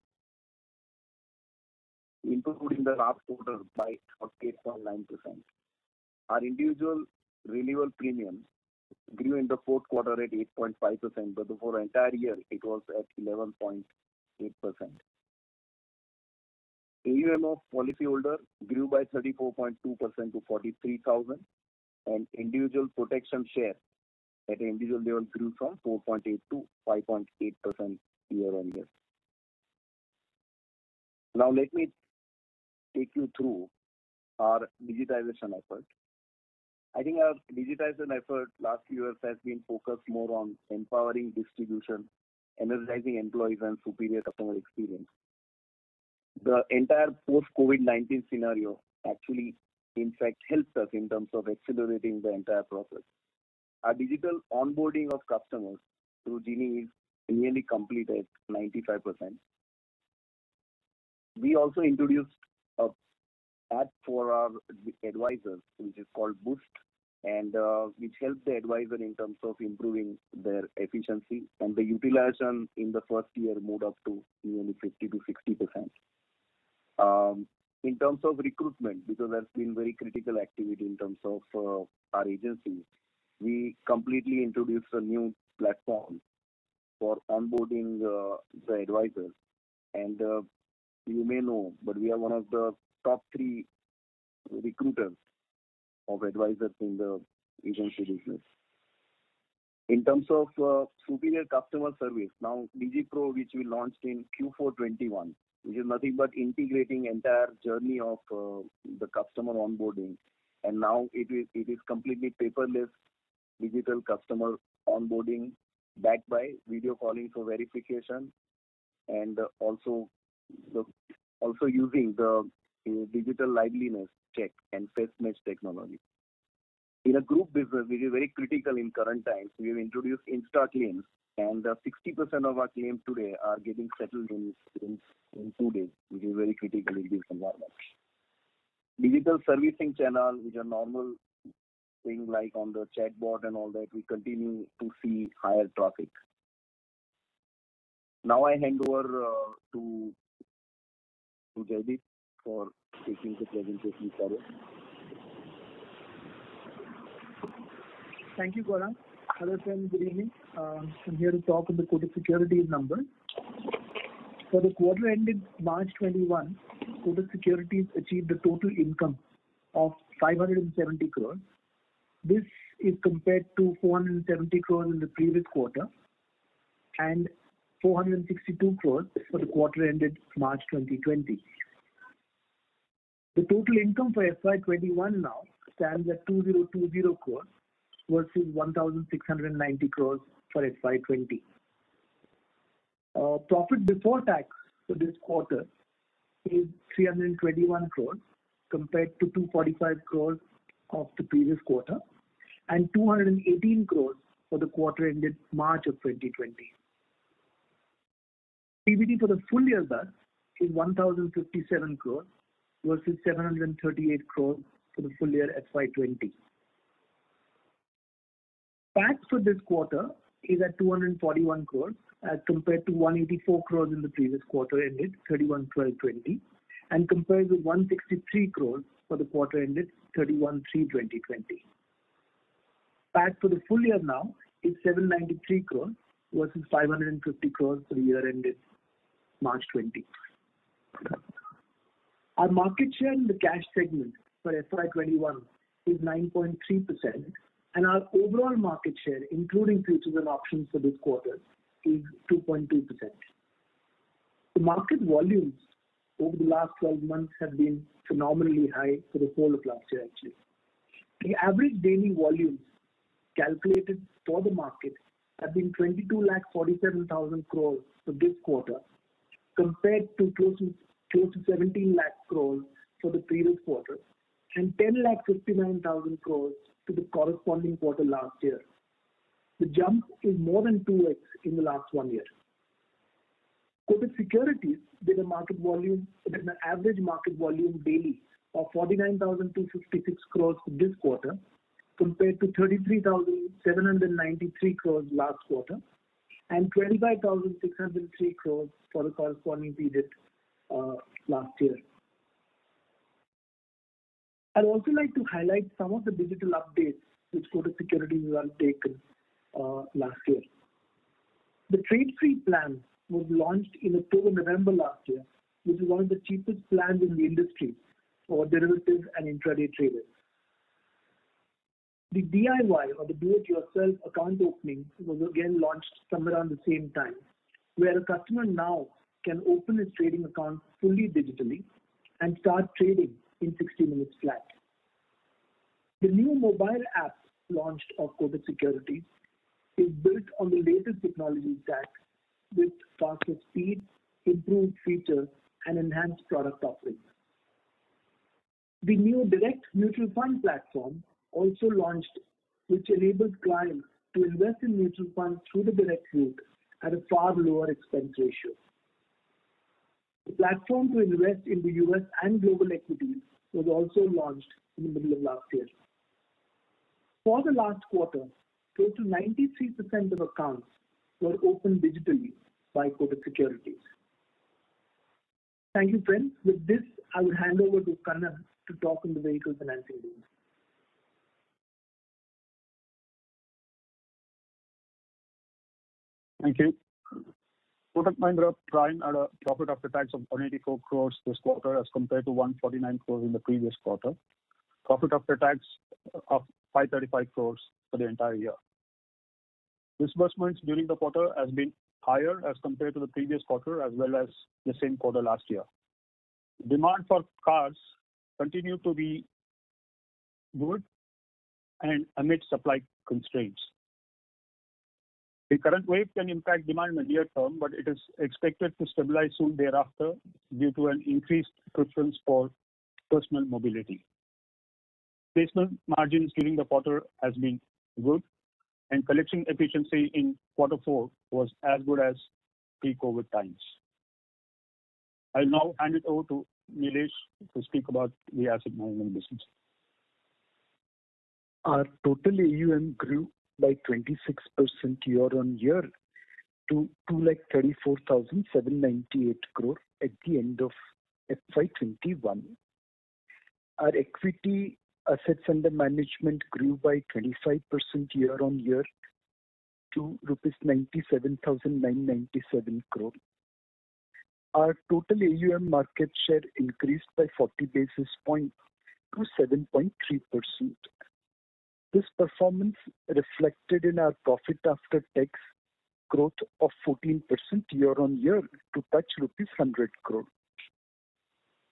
[SPEAKER 7] improved in the last quarter by 3.9%. Our individual renewal premium grew in the fourth quarter at 8.5%, but for the entire year, it was at 11.8%. AUM of policyholder grew by 34.2% to 43,000 crore, and individual protection share at individual level grew from 4.8%-5.8% year on year. Let me take you through our digitization effort. I think our digitization effort last year has been focused more on empowering distribution, energizing employees, and superior customer experience. The entire post-COVID-19 scenario actually, in fact, helps us in terms of accelerating the entire process. Our digital onboarding of customers through Genie is nearly complete at 95%. We also introduced an app for our advisors, which is called Boost, which helps the advisor in terms of improving their efficiency and the utilization in the first year moved up to nearly 50%-60%. In terms of recruitment, because that's been very critical activity in terms of our agencies, we completely introduced a new platform for onboarding the advisors. You may know, but we are one of the top three recruiters of advisors in the agency business. In terms of superior customer service, now Digi Pro, which we launched in Q4 2021, which is nothing but integrating entire journey of the customer onboarding, and now it is completely paperless digital customer onboarding backed by video calling for verification and also using the dfigital liveness check and face match technology. In a group business, which is very critical in current times, we have introduced InstaClaim, and 60% of our claims today are getting settled in two days, which is very critical in this environment. Digital servicing channel, which are normal things like on the chatbot and all that, we continue to see higher traffic. Now I hand over to Jaideep for taking the presentation forward.
[SPEAKER 8] Thank you, Gaurang. Hello, friends. Good evening. I'm here to talk on the Kotak Securities numbers. For the quarter ended March 2021, Kotak Securities achieved a total income of 570 crore. This is compared to 470 crore in the previous quarter and 462 crore for the quarter ended March 2020. The total income for FY 2021 now stands at 2,020 crore versus 1,690 crore for FY 2020. Profit before tax for this quarter is 321 crore compared to 245 crore of the previous quarter and 218 crore for the quarter ended March of 2020. PBT for the full year thus is 1,057 crore versus 738 crore for the full year FY 2020. Tax for this quarter is at 241 crore as compared to 184 crore in the previous quarter ended 31/12/2020, and compared with 163 crore for the quarter ended 31/3/2020. Tax for the full year now is 793 crore versus 550 crore for the year ended March 2020. Our market share in the cash segment for FY 2021 is 9.3%, and our overall market share, including futures and options for this quarter, is 2.2%. The market volumes over the last 12 months have been phenomenally high for the whole of last year, actually. The average daily volumes calculated for the market have been 22,47,000 crore for this quarter compared to close to 17 lakh crore for the previous quarter and 10,59,000 crore to the corresponding quarter last year. The jump is more than 2x in the last one year. Kotak Securities did an average market volume daily of 49,256 crore for this quarter compared to 33,793 crore last quarter and 25,603 crore for the corresponding period last year. I'd also like to highlight some of the digital updates which Kotak Securities has undertaken last year. The Trade Free plan was launched in October, November last year, which is one of the cheapest plans in the industry for derivatives and intraday traders. The DIY or the Do It Yourself account opening was again launched somewhere around the same time, where a customer now can open his trading account fully digitally and start trading in 60 minutes flat. The new mobile app launched of Kotak Securities is built on the latest technology stack with faster speed, improved features, and enhanced product offerings. The new direct mutual fund platform also launched, which enables clients to invest in mutual funds through the direct route at a far lower expense ratio. The platform to invest in the U.S. and global equities was also launched in the middle of last year. For the last quarter, close to 93% of accounts were opened digitally by Kotak Securities. Thank you, friends. With this, I will hand over to Kannan to talk on the vehicle financing business.
[SPEAKER 5] Thank you. Kotak Mahindra Prime had a profit after tax of 184 crore this quarter as compared to 149 crores in the previous quarter. Profit after tax of 535 crore for the entire year. Disbursements during the quarter has been higher as compared to the previous quarter as well as the same quarter last year. Amid supply constraints, demand for cars continue to be good. The current wave can impact demand in the near term, but it is expected to stabilize soon thereafter due to an increased preference for personal mobility. Placement margins during the quarter has been good. Collection efficiency in quarter four was as good as pre-COVID times. I'll now hand it over to Nilesh to speak about the asset management business.
[SPEAKER 9] Our total AUM grew by 26% year-on-year to 234,798 crore at the end of FY 2021. Our equity assets under management grew by 25% year-on-year to rupees 97,997 crore. Our total AUM market share increased by 40 basis points to 7.3%. This performance reflected in our profit after tax growth of 14% year-on-year to touch rupees 100 crore.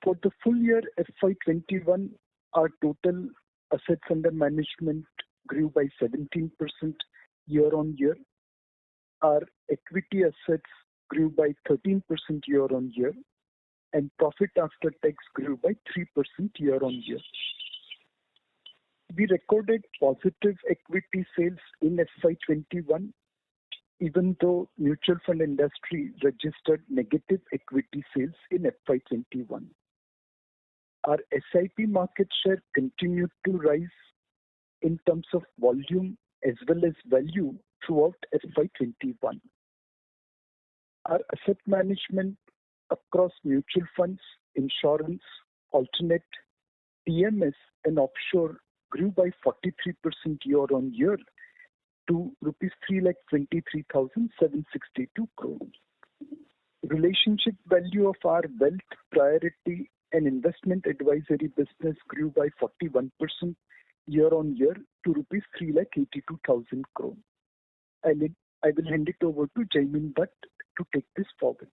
[SPEAKER 9] For the full year FY 2021, our total assets under management grew by 17% year-on-year. Our equity assets grew by 13% year-on-year, and profit after tax grew by 3% year-on-year. We recorded positive equity sales in FY 2021, even though mutual fund industry registered negative equity sales in FY 2021. Our SIP market share continued to rise in terms of volume as well as value throughout FY 2021. Our asset management across mutual funds, insurance, alternate PMS and offshore grew by 43% year-on-year to rupees 323,762 crore. Relationship value of our wealth priority and investment advisory business grew by 41% year-on-year to INR 382,000 crore. I will hand it over to Jaimin Bhatt to take this forward.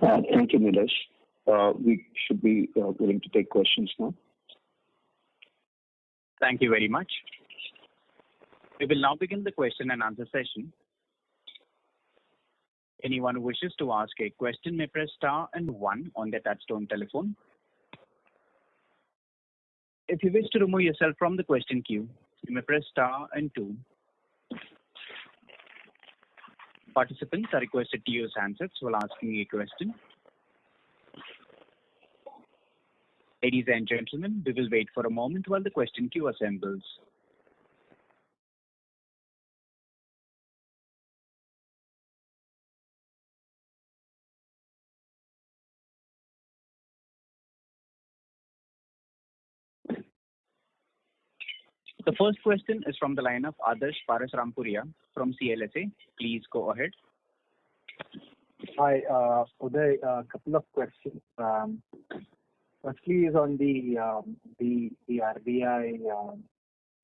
[SPEAKER 3] Thank you, Nilesh. We should be willing to take questions now.
[SPEAKER 1] Thank you very much. We will now begin the Q&A session. Anyone who wishes to ask a question may press star and one on their touchtone telephone. If you wish to remove yourself from the question queue, you may press star and two. Participants are requested to use handsets while asking a question. Ladies and gentlemen, we will wait for a moment while the question queue assembles. The first question is from the line of Adarsh Parasrampuria from CLSA. Please go ahead.
[SPEAKER 10] Hi, Uday. A couple of questions. Firstly is on the RBI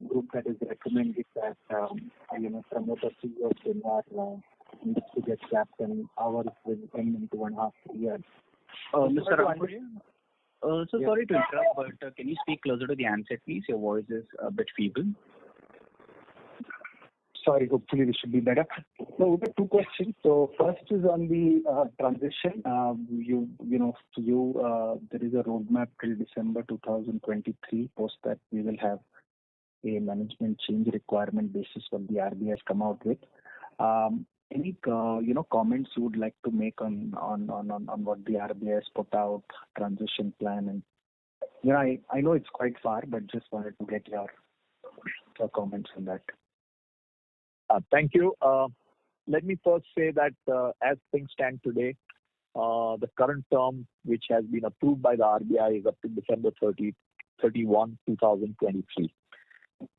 [SPEAKER 10] group that is recommended that, promoter CEO tenure needs to get capped and ours will come into one and a half, three years.
[SPEAKER 2] Mr. Parasrampuria. Sorry to interrupt, but can you speak closer to the handset, please? Your voice is a bit feeble.
[SPEAKER 10] Sorry. Hopefully, this should be better. We've got two questions. First is on the transition. There is a roadmap till December 2023. Post that we will have a management change requirement basis what the RBI has come out with. Any comments you would like to make on what the RBI has put out, transition plan, and I know it's quite far, but just wanted to get your comments on that.
[SPEAKER 2] Thank you. Let me first say that, as things stand today, the current term, which has been approved by the RBI, is up till December 31, 2023.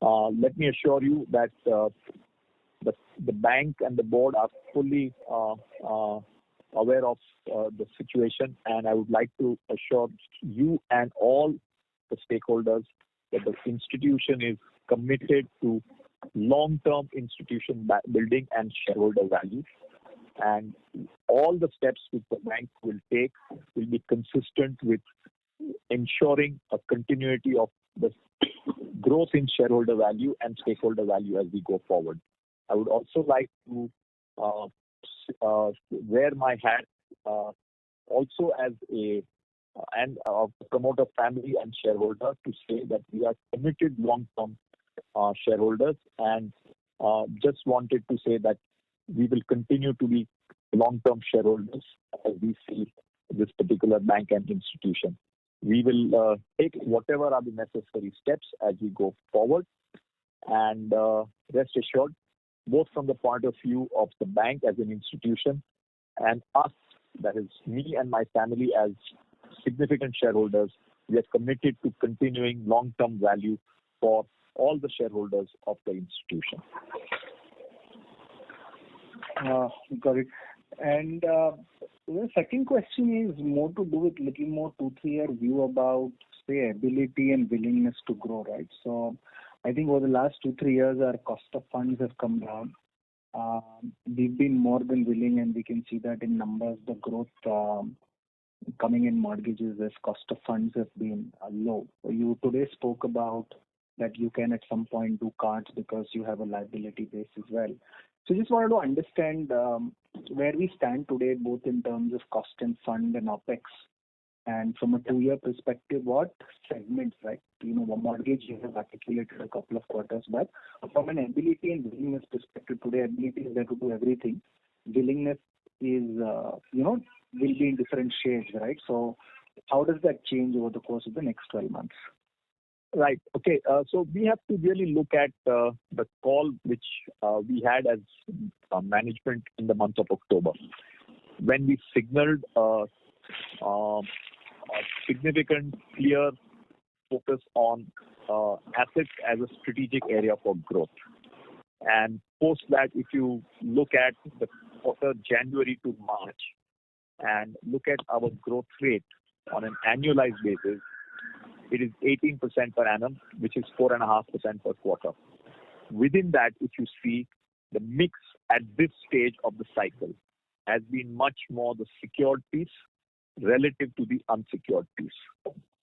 [SPEAKER 2] Let me assure you that the bank and the board are fully aware of the situation, and I would like to assure you and all the stakeholders that the institution is committed to long-term institution building and shareholder value. All the steps which the bank will take will be consistent with ensuring a continuity of the growth in shareholder value and stakeholder value as we go forward. I would also like to wear my hat also as a promoter family and shareholder to say that we are committed long-term shareholders and just wanted to say that we will continue to be long-term shareholders as we see this particular bank and institution. We will take whatever are the necessary steps as we go forward. Rest assured, both from the point of view of the bank as an institution and us, that is me and my family as significant shareholders, we are committed to continuing long-term value for all the shareholders of the institution.
[SPEAKER 10] Got it. The second question is more to do with little more two, three-year view about, say, ability and willingness to grow, right? I think over the last two, three years, our cost of funds has come down. We've been more than willing, and we can see that in numbers, the growth coming in mortgages as cost of funds has been low. You today spoke about that you can at some point do cards because you have a liability base as well. Just wanted to understand where we stand today, both in terms of cost and fund and OpEx, and from a two-year perspective, what segments, right? Mortgage you have articulated a couple of quarters back. From an ability and willingness perspective today, ability is there to do everything. Willingness will be in different shades, right? How does that change over the course of the next 12 months?
[SPEAKER 2] Right. Okay. We have to really look at the call which we had as management in the month of October when we signaled a significant clear focus on assets as a strategic area for growth. Post that, if you look at the quarter January to March and look at our growth rate on an annualized basis, it is 18% per annum, which is 4.5% per quarter. Within that, if you see the mix at this stage of the cycle has been much more the secured piece relative to the unsecured piece.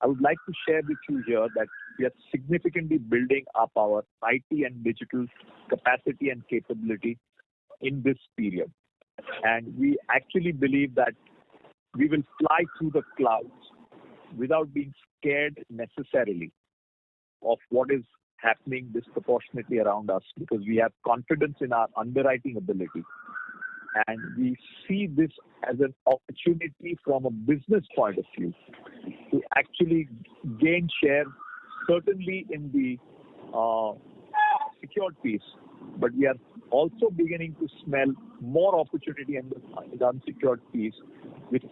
[SPEAKER 2] I would like to share with you here that we are significantly building up our IT and digital capacity and capability in this period. We actually believe that we will fly through the clouds without being scared necessarily of what is happening disproportionately around us, because we have confidence in our underwriting ability. We see this as an opportunity from a business point of view to actually gain share, certainly in the secured piece. We are also beginning to smell more opportunity in the unsecured piece with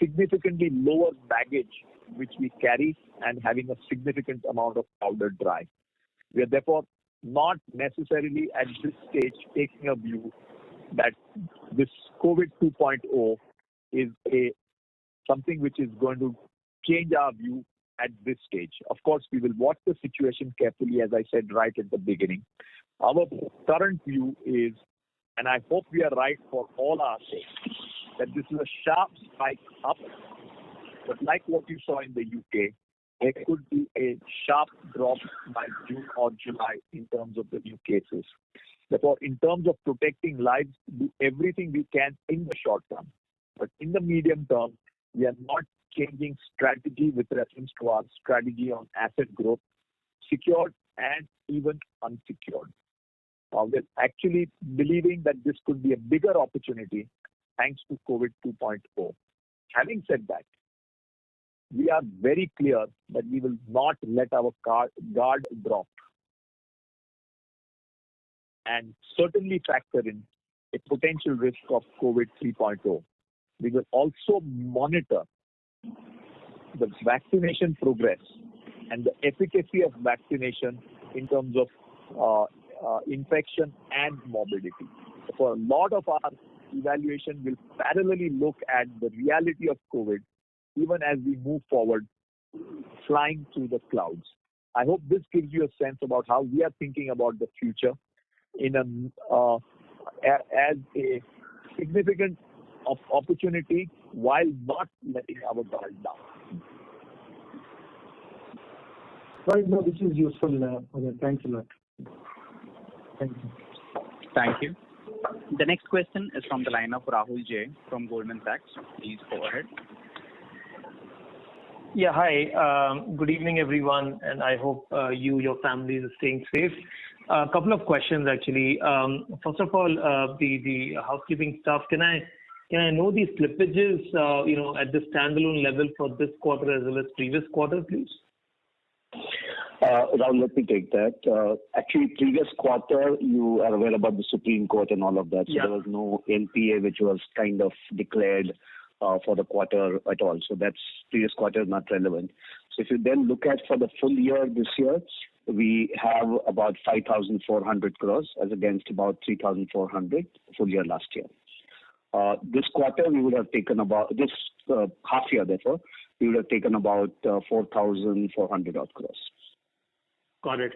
[SPEAKER 2] significantly lower baggage which we carry and having a significant amount of powder dry. We are therefore not necessarily at this stage taking a view that this COVID 2.0 is something which is going to change our view at this stage. We will watch the situation carefully, as I said right at the beginning. Our current view is, and I hope we are right for all our sakes, that this is a sharp spike up. Like what you saw in the U.K., there could be a sharp drop by June or July in terms of the new cases. Therefore, in terms of protecting lives, do everything we can in the short term, but in the medium term, we are not changing strategy with reference to our strategy on asset growth, secured and even unsecured. We are actually believing that this could be a bigger opportunity thanks to COVID 2.0. Having said that, we are very clear that we will not let our guard drop and certainly factor in a potential risk of COVID 3.0. We will also monitor the vaccination progress and the efficacy of vaccination in terms of infection and morbidity. A lot of our evaluation will parallelly look at the reality of COVID, even as we move forward flying through the clouds. I hope this gives you a sense about how we are thinking about the future as a significant opportunity while not letting our guard down.
[SPEAKER 10] Right. No, this is useful. Thanks a lot.
[SPEAKER 2] Thank you.
[SPEAKER 1] Thank you. The next question is from the line of Rahul Jain from Goldman Sachs. Please go ahead.
[SPEAKER 11] Yeah. Hi. Good evening, everyone. I hope you, your families are staying safe. A couple of questions, actually. First of all, the housekeeping stuff. Can I know the slippages at the standalone level for this quarter as well as previous quarter, please?
[SPEAKER 3] Rahul, let me take that. Actually, previous quarter, you are aware about the Supreme Court and all of that.
[SPEAKER 11] Yeah.
[SPEAKER 3] There was no NPA which was kind of declared for the quarter at all. That previous quarter is not relevant. If you then look at for the full year this year, we have about 5,400 crore as against about 3,400 crore full year last year. This half year, therefore, we would have taken about 4,400 odd crore.
[SPEAKER 11] Got it.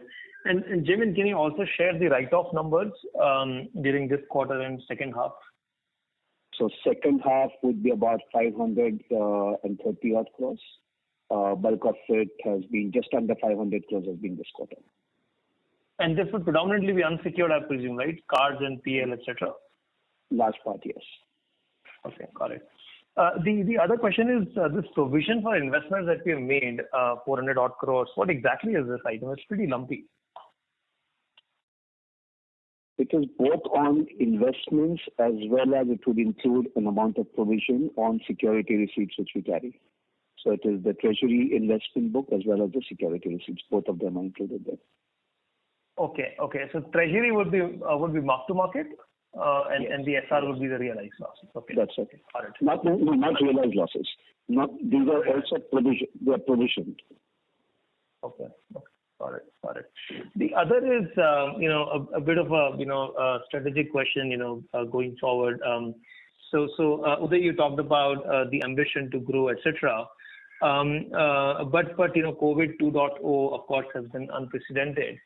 [SPEAKER 11] Jaimin, can you also share the write-off numbers during this quarter and second half?
[SPEAKER 3] Second half would be about 530 odd crore. Bulk of it has been just under 500 crore has been this quarter.
[SPEAKER 11] This would predominantly be unsecured, I presume, right? Cards and PL, et cetera.
[SPEAKER 3] Large part, yes.
[SPEAKER 11] Okay. Got it. The other question is this provision for investments that we have made, 400 odd crore. What exactly is this item? It's pretty lumpy.
[SPEAKER 3] It is both on investments as well as it would include an amount of provision on security receipts which we carry. It is the treasury investment book as well as the security receipts, both of them are included there.
[SPEAKER 11] Okay. treasury would be mark to market-
[SPEAKER 3] Yes.
[SPEAKER 11] The SR would be the realized losses. Okay.
[SPEAKER 3] That's okay.
[SPEAKER 11] Got it.
[SPEAKER 3] No, not realized losses. These are also provisioned. They are provisioned.
[SPEAKER 11] Okay. Got it. The other is a bit of a strategic question going forward. Uday, you talked about the ambition to grow, et cetera, but COVID 2.0, of course, has been unprecedented.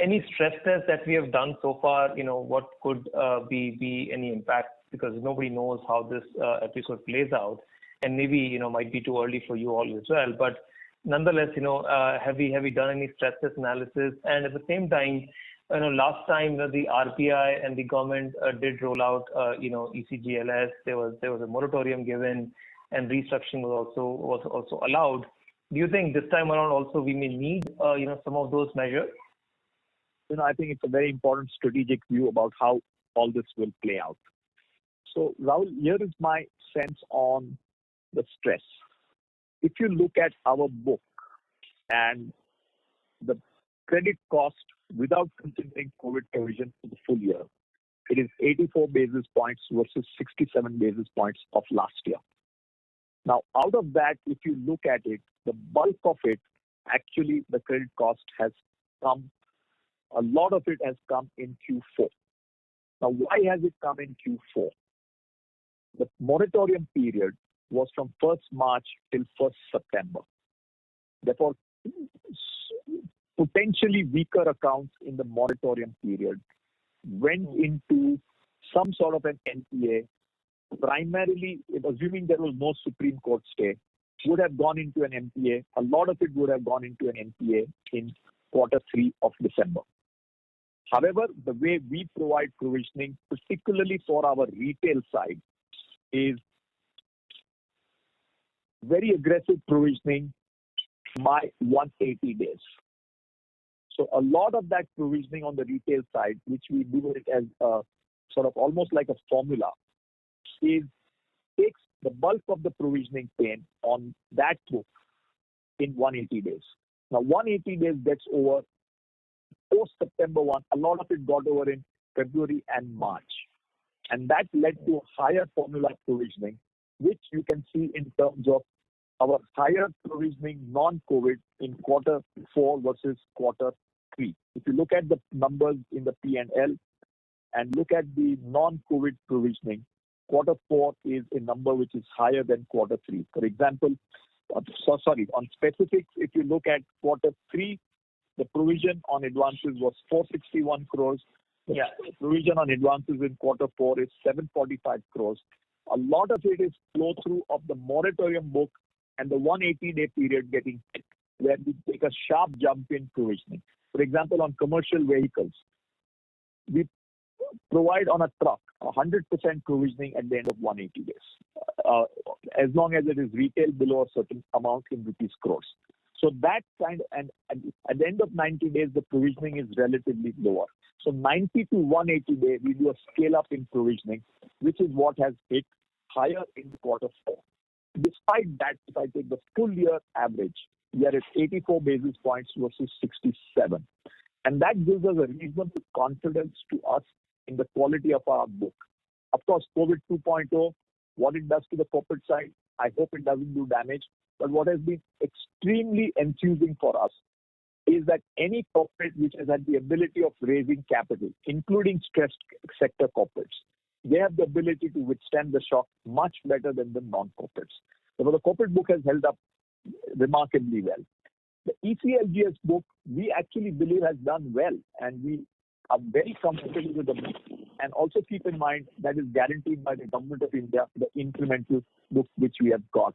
[SPEAKER 11] Any stress test that we have done so far, what could be any impact? Because nobody knows how this episode plays out and maybe might be too early for you all as well. Nonetheless, have you done any stress test analysis? At the same time, last time the RBI and the Government of India did roll out ECLGS, there was a moratorium given and restructuring was also allowed. Do you think this time around also we may need some of those measures? I think it's a very important strategic view about how all this will play out.
[SPEAKER 2] Rahul, here is my sense on the stress. If you look at our book and the credit cost without considering COVID provision for the full year, it is 84 basis points versus 67 basis points of last year. Out of that, if you look at it, the bulk of it, actually, the credit cost has come, a lot of it has come in Q4. Why has it come in Q4? The moratorium period was from 1st March till 1st September. Potentially weaker accounts in the moratorium period went into some sort of an NPA, primarily assuming there was no Supreme Court stay, would have gone into an NPA. A lot of it would have gone into an NPA in quarter three of December. The way we provide provisioning, particularly for our retail side, is very aggressive provisioning by 180 days. A lot of that provisioning on the retail side, which we do it as sort of almost like a formula, takes the bulk of the provisioning pain on that book in 180 days. 180 days gets over post September 1, a lot of it got over in February and March, that led to a higher formula provisioning, which you can see in terms of our higher provisioning non-COVID in quarter four versus quarter three. If you look at the numbers in the P&L and look at the non-COVID provisioning, quarter four is a number which is higher than quarter three. For example, sorry. On specifics, if you look at quarter three, the provision on advances was 461 crore.
[SPEAKER 11] Yeah.
[SPEAKER 2] Provision on advances in quarter four is 745 crore. A lot of it is flow through of the moratorium book and the 180-day period getting hit, where we take a sharp jump in provisioning. For example, on commercial vehicles, we provide on a truck, 100% provisioning at the end of 180 days, as long as it is retailed below a certain amount in rupees crores. At the end of 90 days, the provisioning is relatively lower. 90-180 days, we do a scale-up in provisioning, which is what has hit higher in quarter four. Despite that, if I take the full year average, we are at 84 basis points versus 67 basis points, that gives us a reasonable confidence to us in the quality of our book. Of course, COVID 2.0, what it does to the corporate side, I hope it doesn't do damage. What has been extremely enthusing for us is that any corporate which has had the ability of raising capital, including stressed sector corporates, they have the ability to withstand the shock much better than the non-corporates. The corporate book has held up remarkably well. The ECLGS book, we actually believe has done well, and we are very comfortable with the book. Also keep in mind that is guaranteed by the Government of India, the incremental book which we have got.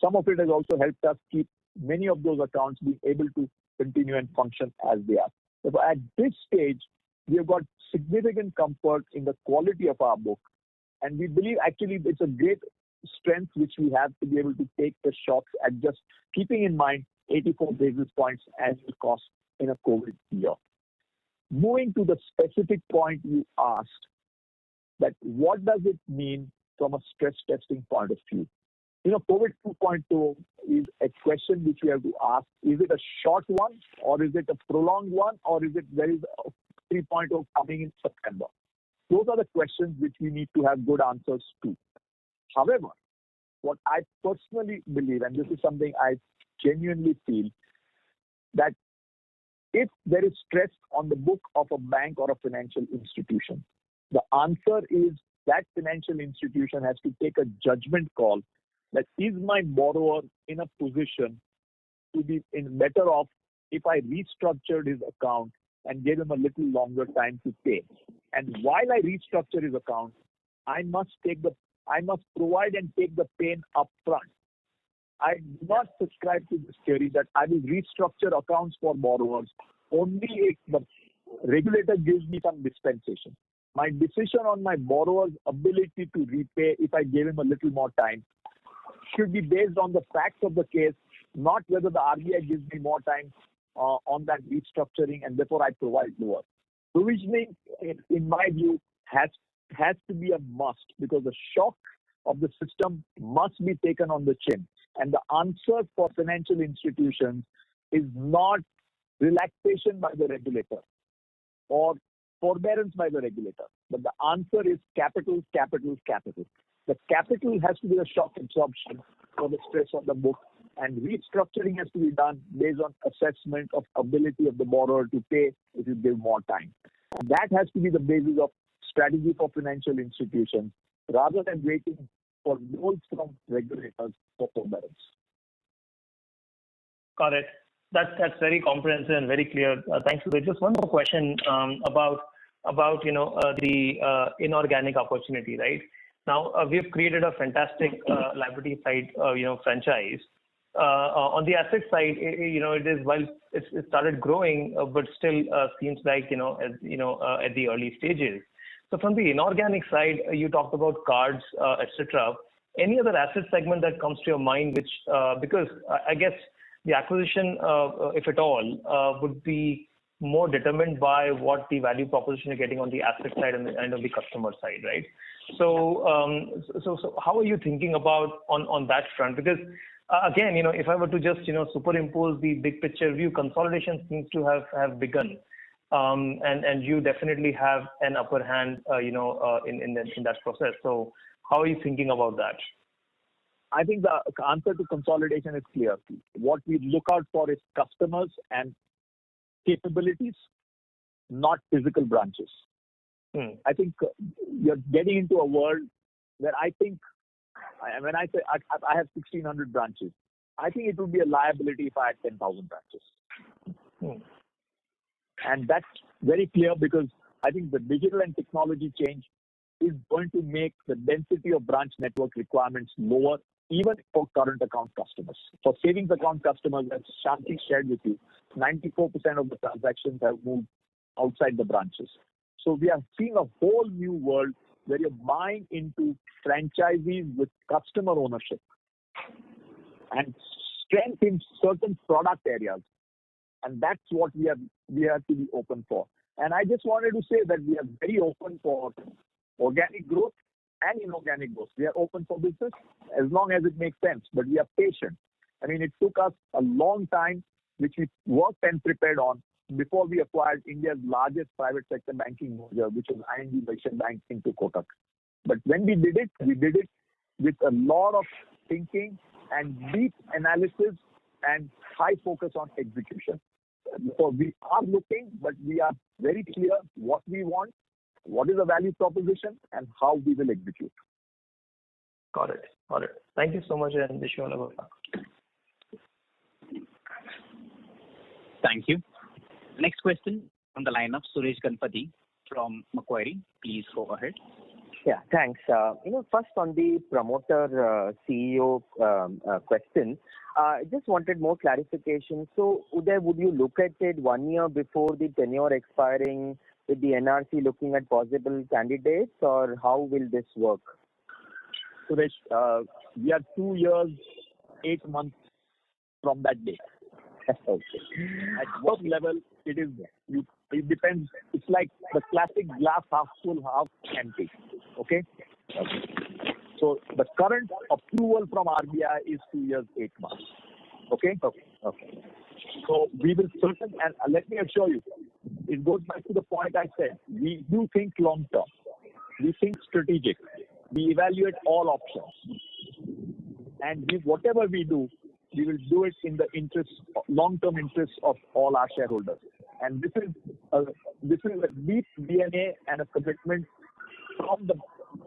[SPEAKER 2] Some of it has also helped us keep many of those accounts being able to continue and function as they are. At this stage, we have got significant comfort in the quality of our book, and we believe actually it's a great strength which we have to be able to take the shocks and just keeping in mind 84 basis points as the cost in a COVID year. Moving to the specific point you asked, that what does it mean from a stress testing point of view? COVID 2.0 is a question which we have to ask. Is it a short one or is it a prolonged one or is it there is a 3.0 coming in September? Those are the questions which we need to have good answers to. What I personally believe, and this is something I genuinely feel, that if there is stress on the book of a bank or a financial institution, the answer is that financial institution has to take a judgment call that, "Is my borrower in a position to be in better off if I restructured his account and gave him a little longer time to pay? And while I restructure his account, I must provide and take the pain up front." I must subscribe to this theory that I will restructure accounts for borrowers only if the regulator gives me some dispensation. My decision on my borrower's ability to repay if I gave him a little more time should be based on the facts of the case, not whether the RBI gives me more time on that restructuring and therefore I provide more. Provisioning, in my view, has to be a must because the shock of the system must be taken on the chin, and the answer for financial institutions is not relaxation by the regulator. Or forbearance by the regulator. The answer is capital, capital. The capital has to be a shock absorption for the stress on the book, and restructuring has to be done based on assessment of ability of the borrower to pay if you give more time. That has to be the basis of strategy for financial institutions, rather than waiting for loans from regulators for forbearance.
[SPEAKER 11] Got it. That's very comprehensive and very clear. Thank you. There's just one more question about the inorganic opportunity. We've created a fantastic liability side franchise. On the asset side, it started growing but still seems like at the early stages. From the inorganic side, you talked about cards, et cetera. Any other asset segment that comes to your mind? I guess the acquisition, if at all, would be more determined by what the value proposition you're getting on the asset side and on the customer side, right? How are you thinking about on that front? Again, if I were to just superimpose the big picture view, consolidation seems to have begun. You definitely have an upper hand in that process. How are you thinking about that?
[SPEAKER 2] I think the answer to consolidation is clear. What we look out for is customers and capabilities, not physical branches. I think you're getting into a world where I think when I say I have 1,600 branches, I think it would be a liability if I had 10,000 branches. That's very clear because I think the digital and technology change is going to make the density of branch network requirements lower even for current account customers. For savings account customers, as Shanti shared with you, 94% of the transactions have moved outside the branches. We are seeing a whole new world where you're buying into franchisees with customer ownership and strength in certain product areas, and that's what we have to be open for. I just wanted to say that we are very open for organic growth and inorganic growth. We are open for business as long as it makes sense, but we are patient. It took us a long time, which we worked and prepared on before we acquired India's largest private sector banking merger, which was ING Vysya Bank into Kotak Mahindra Bank. When we did it, we did it with a lot of thinking and deep analysis and high focus on execution. We are looking, but we are very clear what we want, what is the value proposition, and how we will execute.
[SPEAKER 11] Got it. Thank you so much, and wish you all the best.
[SPEAKER 1] Thank you. Next question on the line of Suresh Ganapathy from Macquarie. Please go ahead.
[SPEAKER 12] Yeah. Thanks. First, on the promoter CEO question, I just wanted more clarification. Uday, would you look at it one year before the tenure expiring with the NRC looking at possible candidates, or how will this work?
[SPEAKER 2] Suresh, we are two years, eight months from that date.
[SPEAKER 12] Okay.
[SPEAKER 2] At what level it is there. It depends. It's like the classic glass half full, half empty. Okay?
[SPEAKER 12] Okay.
[SPEAKER 2] The current approval from RBI is two years, eight months. Okay?
[SPEAKER 12] Okay.
[SPEAKER 2] Let me assure you, it goes back to the point I said, we do think long-term, we think strategic, we evaluate all options. Whatever we do, we will do it in the long-term interest of all our shareholders. This is a deep DNA and a commitment from the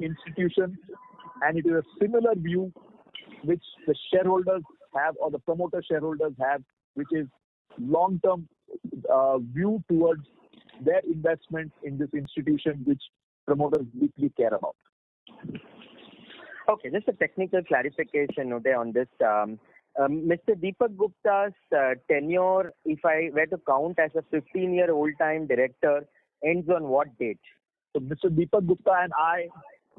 [SPEAKER 2] institution, it is a similar view which the shareholders have or the promoter shareholders have, which is long-term view towards their investment in this institution, which promoters deeply care about.
[SPEAKER 12] Just a technical clarification, Uday, on this. Mr. Dipak Gupta's tenure, if I were to count as a 15-year Whole Time Director, ends on what date?
[SPEAKER 2] Mr. Dipak Gupta and I,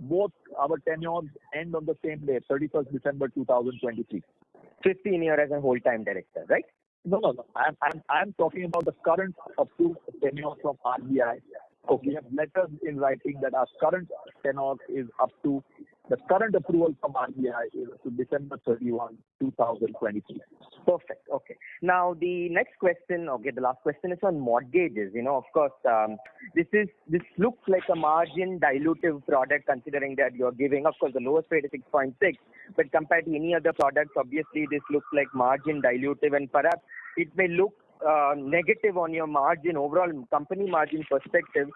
[SPEAKER 2] both our tenures end on the same day, 31st December 2023.
[SPEAKER 12] 15 year as a whole-time director, right?
[SPEAKER 2] No, I am talking about the current approved tenure from RBI.
[SPEAKER 12] Okay.
[SPEAKER 2] We have letters in writing that our current tenure is up to the current approval from RBI to December 31, 2023.
[SPEAKER 12] Perfect. Okay. The next question, the last question is on mortgages. Of course, this looks like a margin dilutive product considering that you're giving, of course, the lowest rate is 6.6, compared to any other products, obviously this looks like margin dilutive, perhaps it may look negative on your margin, overall company margin perspective.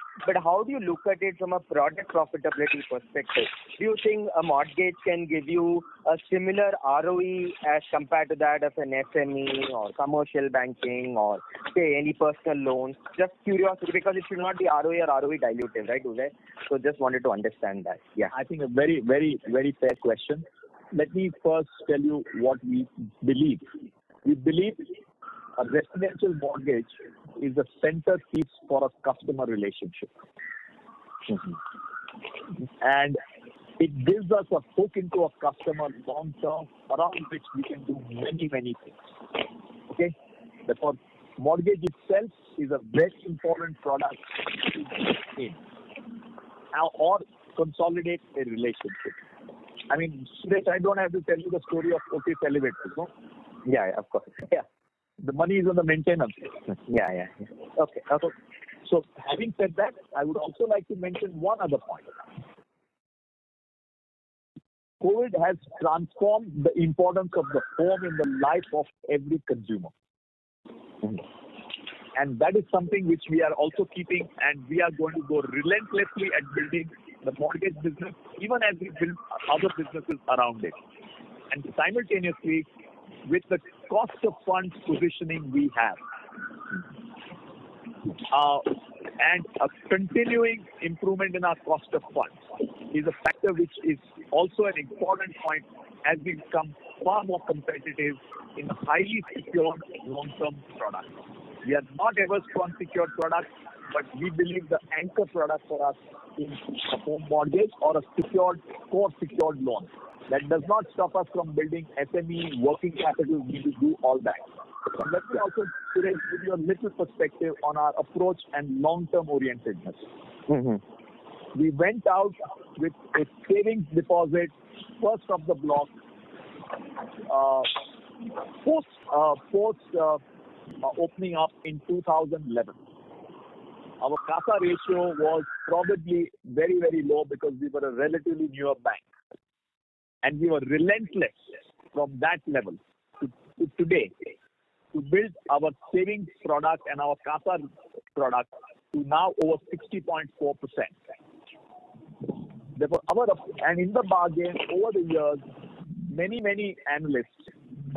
[SPEAKER 12] How do you look at it from a product profitability perspective? Do you think a mortgage can give you a similar ROE as compared to that of an SME or commercial banking or, say, any personal loans? Just curiosity, because it should not be ROA or ROE dilutive, right, Uday? Just wanted to understand that. Yeah.
[SPEAKER 2] I think a very fair question. Let me first tell you what we believe. We believe a residential mortgage is a centerpiece for a customer relationship. It gives us a hook into a customer long-term around which we can do many things. Okay? Therefore, mortgage itself is a very important product. Consolidate a relationship. Suresh, I don't have to tell you the story of Kotak 811, no?
[SPEAKER 12] Yeah, of course.
[SPEAKER 2] Yeah. The money is on the maintenance.
[SPEAKER 12] Yeah.
[SPEAKER 2] Okay. Having said that, I would also like to mention one other point. COVID has transformed the importance of the home in the life of every consumer. That is something which we are also keeping, and we are going to go relentlessly at building the mortgage business, even as we build other businesses around it. Simultaneously, with the cost of funds positioning we have, and a continuing improvement in our cost of funds is a factor which is also an important point as we become far more competitive in a highly secured long-term product. We are not averse to unsecured products, but we believe the anchor product for us is a home mortgage or a core secured loan. That does not stop us from building SME working capital. We will do all that. Let me also today give you a little perspective on our approach and long-term orientedness. We went out with a savings deposit first off the block post opening up in 2011. Our CASA ratio was probably very low because we were a relatively newer bank, and we were relentless from that level to today to build our savings product and our CASA product to now over 60.4%. In the bargain, over the years, many analysts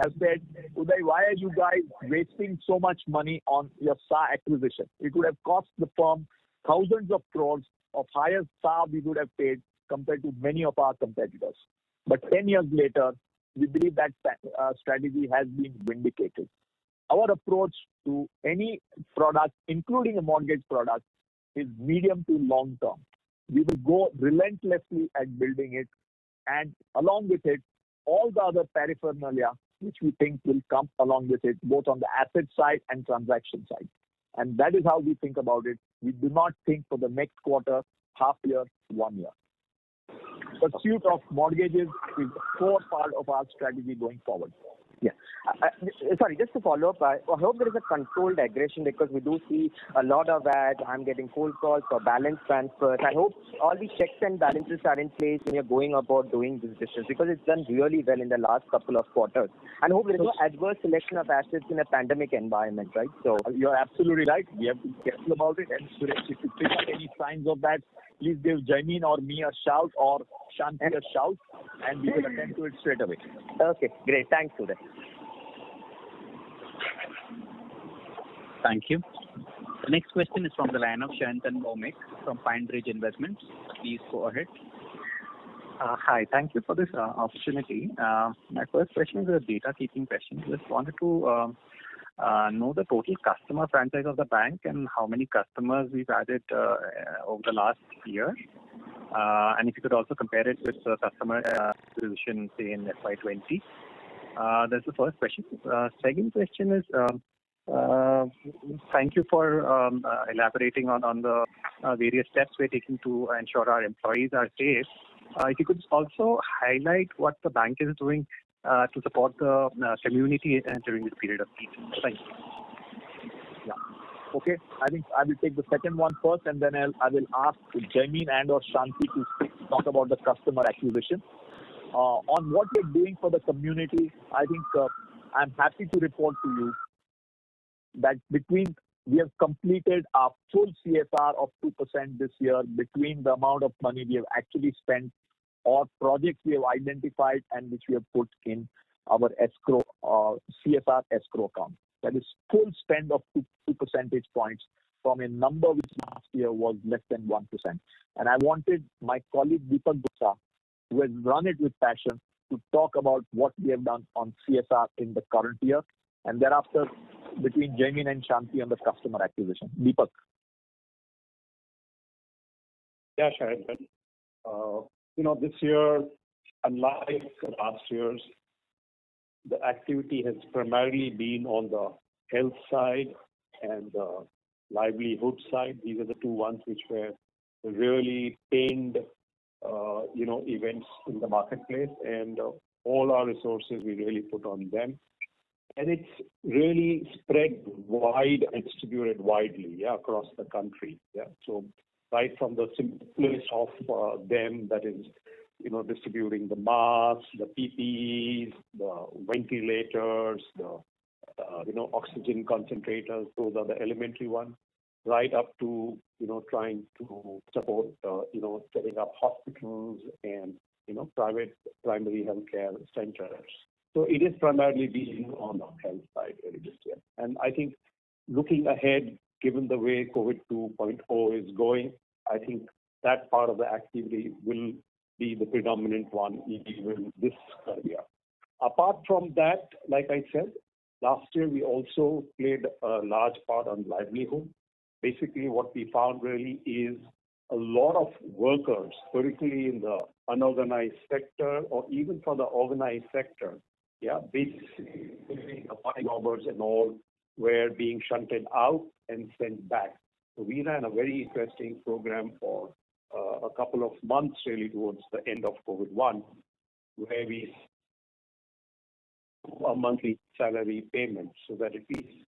[SPEAKER 2] have said, "Uday, why are you guys wasting so much money on your SA acquisition? It would've cost the firm thousands of crores of higher SA we would have paid compared to many of our competitors." 10 years later, we believe that strategy has been vindicated. Our approach to any product, including a mortgage product, is medium to long-term. We will go relentlessly at building it, and along with it, all the other paraphernalia which we think will come along with it, both on the asset side and transaction side. That is how we think about it. We do not think for the next quarter, half year, one year. Pursuit of mortgages is a core part of our strategy going forward.
[SPEAKER 12] Yeah. Sorry, just to follow up. I hope there is a controlled aggression because we do see a lot of ads. I am getting cold calls for balance transfers. I hope all the checks and balances are in place when you are going about doing these decisions because it has done really well in the last couple of quarters. I hope there is no adverse selection of assets in a pandemic environment, right?
[SPEAKER 2] You're absolutely right. We have to be careful about it. Suresh, if you pick up any signs of that, please give Jaimin or me a shout or Shanti a shout, we will attend to it straight away.
[SPEAKER 12] Okay, great. Thanks, Uday.
[SPEAKER 1] Thank you. The next question is from the line of Sayantan Bhowmick from PineBridge Investments. Please go ahead.
[SPEAKER 13] Hi. Thank you for this opportunity. My first question is a data keeping question. Just wanted to know the total customer franchise of the bank and how many customers we've added over the last year. If you could also compare it with customer acquisition, say, in FY 2020. That's the first question. Second question is, thank you for elaborating on the various steps we're taking to ensure our employees are safe. If you could also highlight what the bank is doing to support the community during this period of need. Thanks.
[SPEAKER 2] Yeah. Okay. I think I will take the second one first, and then I will ask Jaimin and/or Shanti to talk about the customer acquisition. On what we're doing for the community, I think I'm happy to report to you that we have completed our full CSR of 2% this year between the amount of money we have actually spent or projects we have identified and which we have put in our CSR escrow account. That is full spend of two percentage points from a number which last year was less than 1%. I wanted my colleague, Dipak Gupta, who has run it with passion, to talk about what we have done on CSR in the current year, and thereafter between Jaimin and Shanti on the customer acquisition. Dipak.
[SPEAKER 14] Yeah, Sayantan. This year, unlike last years, the activity has primarily been on the health side and the livelihood side. These are the two ones which were really pained events in the marketplace, and all our resources we really put on them. It's really spread wide and distributed widely across the country. Right from the simplest of them, that is distributing the masks, the PPEs, the ventilators, the oxygen concentrators. Those are the elementary ones. Right up to trying to support setting up hospitals and private primary healthcare centers. It is primarily dealing on the health side really this year. I think looking ahead, given the way COVID 2.0 is going, I think that part of the activity will be the predominant one even this year. Apart from that, like I said, last year, we also played a large part on livelihood. What we found really is a lot of workers, particularly in the unorganized sector or even from the organized sector, basically doing the part-timers and all, were being shunted out and sent back. We ran a very interesting program for a couple of months, really towards the end of COVID-19. A monthly salary payment so that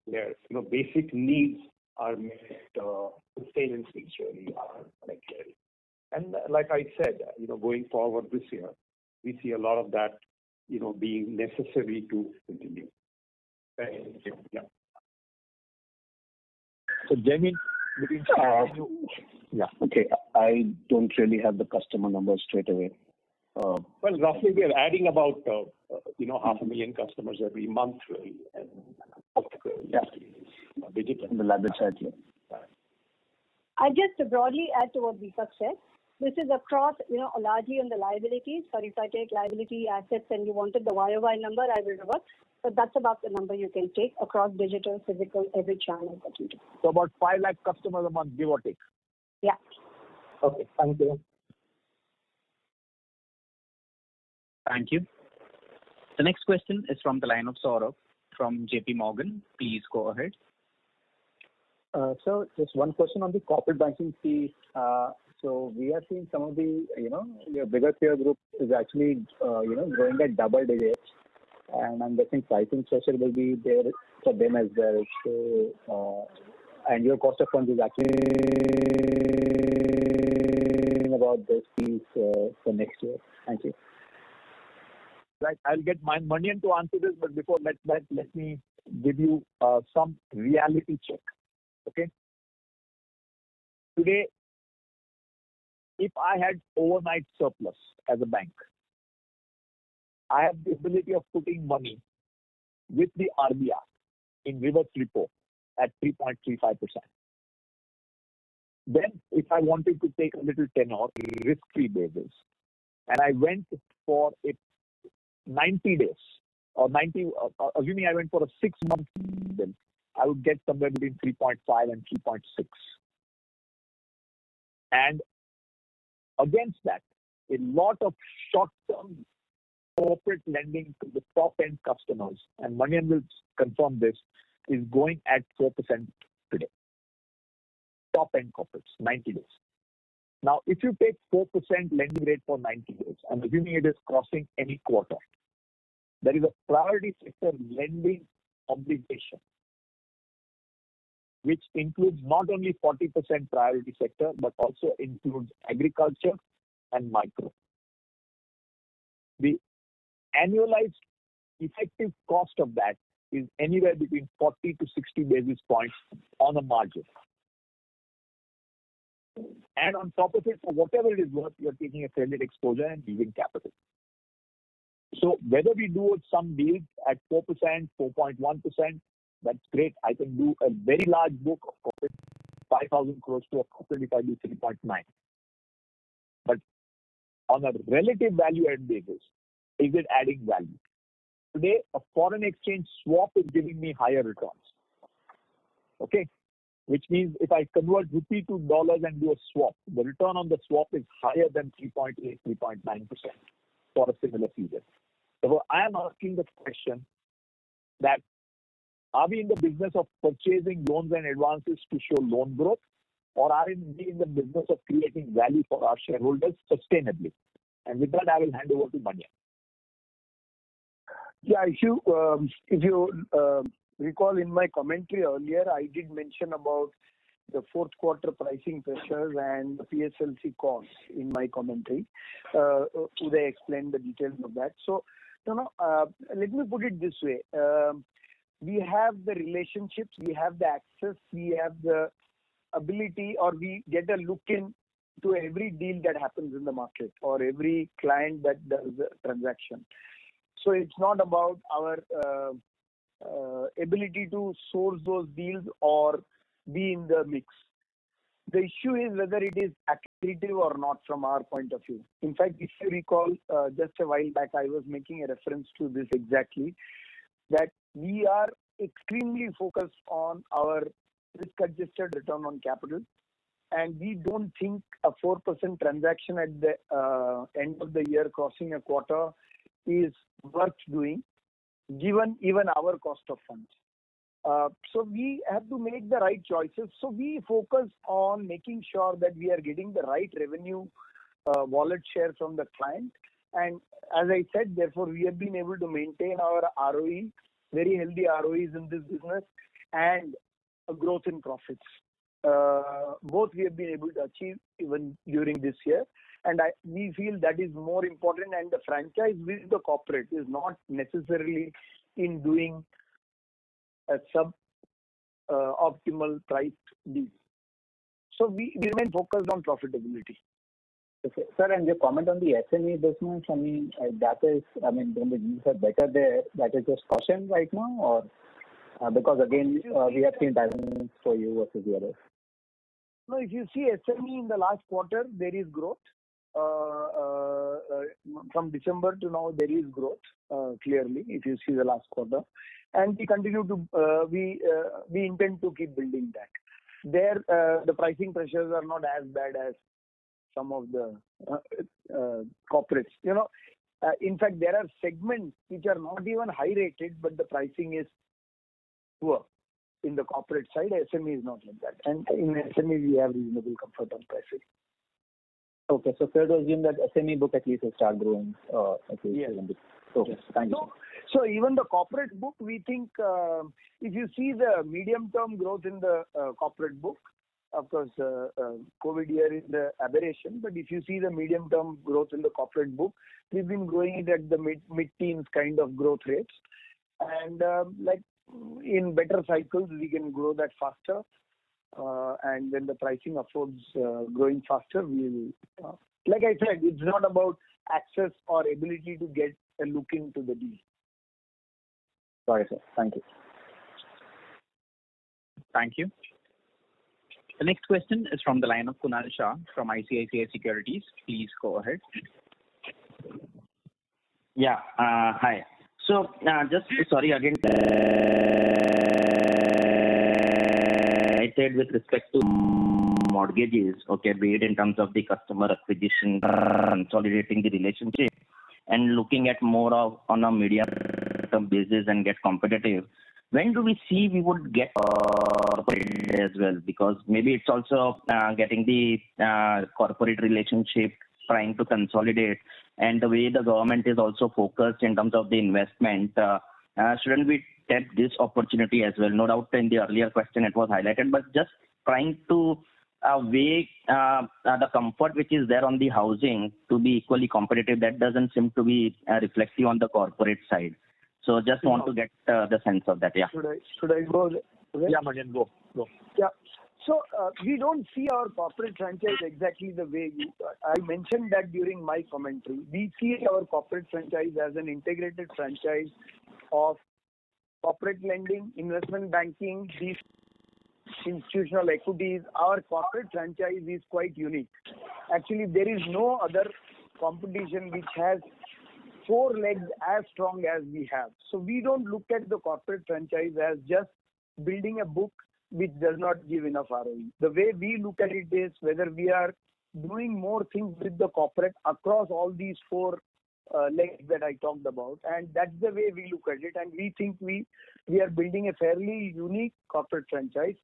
[SPEAKER 14] their basic needs are met, the payments which really are necessary. Like I said, going forward this year, we see a lot of that being necessary to continue. Yeah. Jaimin, yeah, okay. I don't really have the customer numbers straight away.
[SPEAKER 2] Well, roughly we are adding about half a million customers every month really and digital.
[SPEAKER 15] On the liability side, yeah.
[SPEAKER 4] I just broadly add to what Dipak said. This is across largely on the liabilities. If I take liability assets and you wanted the Y-o-Y number, I will know what. That's about the number you can take across digital, physical, every channel that we do.
[SPEAKER 2] About 5 lakh customers a month, give or take.
[SPEAKER 4] Yeah.
[SPEAKER 13] Okay. Thank you.
[SPEAKER 1] Thank you. The next question is from the line of Saurabh from JPMorgan. Please go ahead.
[SPEAKER 16] Sir, just one question on the corporate banking fees. We are seeing some of your bigger peer group is actually growing at double digits, and I'm guessing pricing pressure will be there for them as well. Annual cost of funds is actually about those fees for next year. Thank you.
[SPEAKER 2] Right. I'll get Manian to answer this, before that let me give you some reality check. Okay? Today, if I had overnight surplus as a bank, I have the ability of putting money with the RBI in reverse repo at 3.35%. If I wanted to take a little tenor risk-free basis, and I went for it 90 days or assuming I went for a six months deal, I would get somewhere between 3.5% and 3.6%. Against that, a lot of short-term corporate lending to the top-end customers, and Manian will confirm this, is going at 4% today. Top-end corporates, 90 days. If you take 4% lending rate for 90 days, I'm assuming it is crossing any quarter. There is a priority sector lending obligation, which includes not only 40% priority sector, but also includes agriculture and micro. The annualized effective cost of that is anywhere between 40-60 basis points on a margin. On top of it, for whatever it is worth, we are taking a credit exposure and giving capital. Whether we do some deals at 4%, 4.1%, that's great. I can do a very large book of corporate 5,000 crore to a corporate if I do 3.9%. On a relative value add basis, is it adding value? Today, a foreign exchange swap is giving me higher returns. Okay? Which means if I convert rupee to dollars and do a swap, the return on the swap is higher than 3.8%, 3.9% for a similar tenure. I am asking the question that, are we in the business of purchasing loans and advances to show loan growth or are we in the business of creating value for our shareholders sustainably? With that, I will hand over to Manian.
[SPEAKER 6] Yeah. If you recall in my commentary earlier, I did mention about the fourth quarter pricing pressures and the PSLC costs in my commentary. Uday explained the details of that. Let me put it this way. We have the relationships, we have the access, we have the ability, or we get a look-in to every deal that happens in the market or every client that does a transaction. It's not about our ability to source those deals or be in the mix. The issue is whether it is accretive or not from our point of view. In fact, if you recall, just a while back, I was making a reference to this exactly, that we are extremely focused on our risk-adjusted return on capital, and we don't think a 4% transaction at the end of the year crossing a quarter is worth doing given even our cost of funds. We have to make the right choices. We focus on making sure that we are getting the right revenue wallet shares from the client. As I said, therefore, we have been able to maintain our ROE, very healthy ROEs in this business, and a growth in profits. Both we have been able to achieve even during this year. We feel that is more important and the franchise with the corporate is not necessarily in doing a sub-optimal priced deal. We remain focused on profitability.
[SPEAKER 16] Okay. Sir, your comment on the SME business, I mean, don't you feel better there? That is just question right now or because again, we have seen balance for you versus the others?
[SPEAKER 6] No, if you see SME in the last quarter, there is growth. From December to now, there is growth, clearly, if you see the last quarter. We intend to keep building that. There, the pricing pressures are not as bad as some of the corporates. In fact, there are segments which are not even high rated, but the pricing is poor in the corporate side. SME is not like that. In SME, we have reasonable comfort on pricing.
[SPEAKER 16] Okay. Fair to assume that SME book at least will start growing at least a little bit.
[SPEAKER 6] Yes.
[SPEAKER 16] Okay. Thank you.
[SPEAKER 6] Even the corporate book, if you see the medium-term growth in the corporate book, of course, COVID year is the aberration, but if you see the medium-term growth in the corporate book, we've been growing it at the mid-teens kind of growth rates. In better cycles, we can grow that faster. When the pricing affords growing faster, we will. Like I said, it's not about access or ability to get a look into the deal.
[SPEAKER 16] Got it, sir. Thank you.
[SPEAKER 1] Thank you. The next question is from the line of Kunal Shah from ICICI Securities. Please go ahead.
[SPEAKER 17] Yeah. Hi. Sorry, again. I said with respect to mortgages, okay, be it in terms of the customer acquisition, consolidating the relationship and looking at more of on a medium-term basis and get competitive, when do we see we would get as well? Maybe it's also getting the corporate relationship, trying to consolidate and the way the government is also focused in terms of the investment, shouldn't we take this opportunity as well? No doubt in the earlier question it was highlighted, but just trying to weigh the comfort which is there on the housing to be equally competitive, that doesn't seem to be reflective on the corporate side. Just want to get the sense of that. Yeah.
[SPEAKER 6] Should I go?
[SPEAKER 2] Yeah, go.
[SPEAKER 6] Yeah. We don't see our corporate franchise exactly the way I mentioned that during my commentary. We see our corporate franchise as an integrated franchise of corporate lending, investment banking, the institutional equities. Our corporate franchise is quite unique. Actually, there is no other competition which has four legs as strong as we have. We don't look at the corporate franchise as just building a book which does not give enough ROE. The way we look at it is whether we are doing more things with the corporate across all these four legs that I talked about, and that's the way we look at it. We think we are building a fairly unique corporate franchise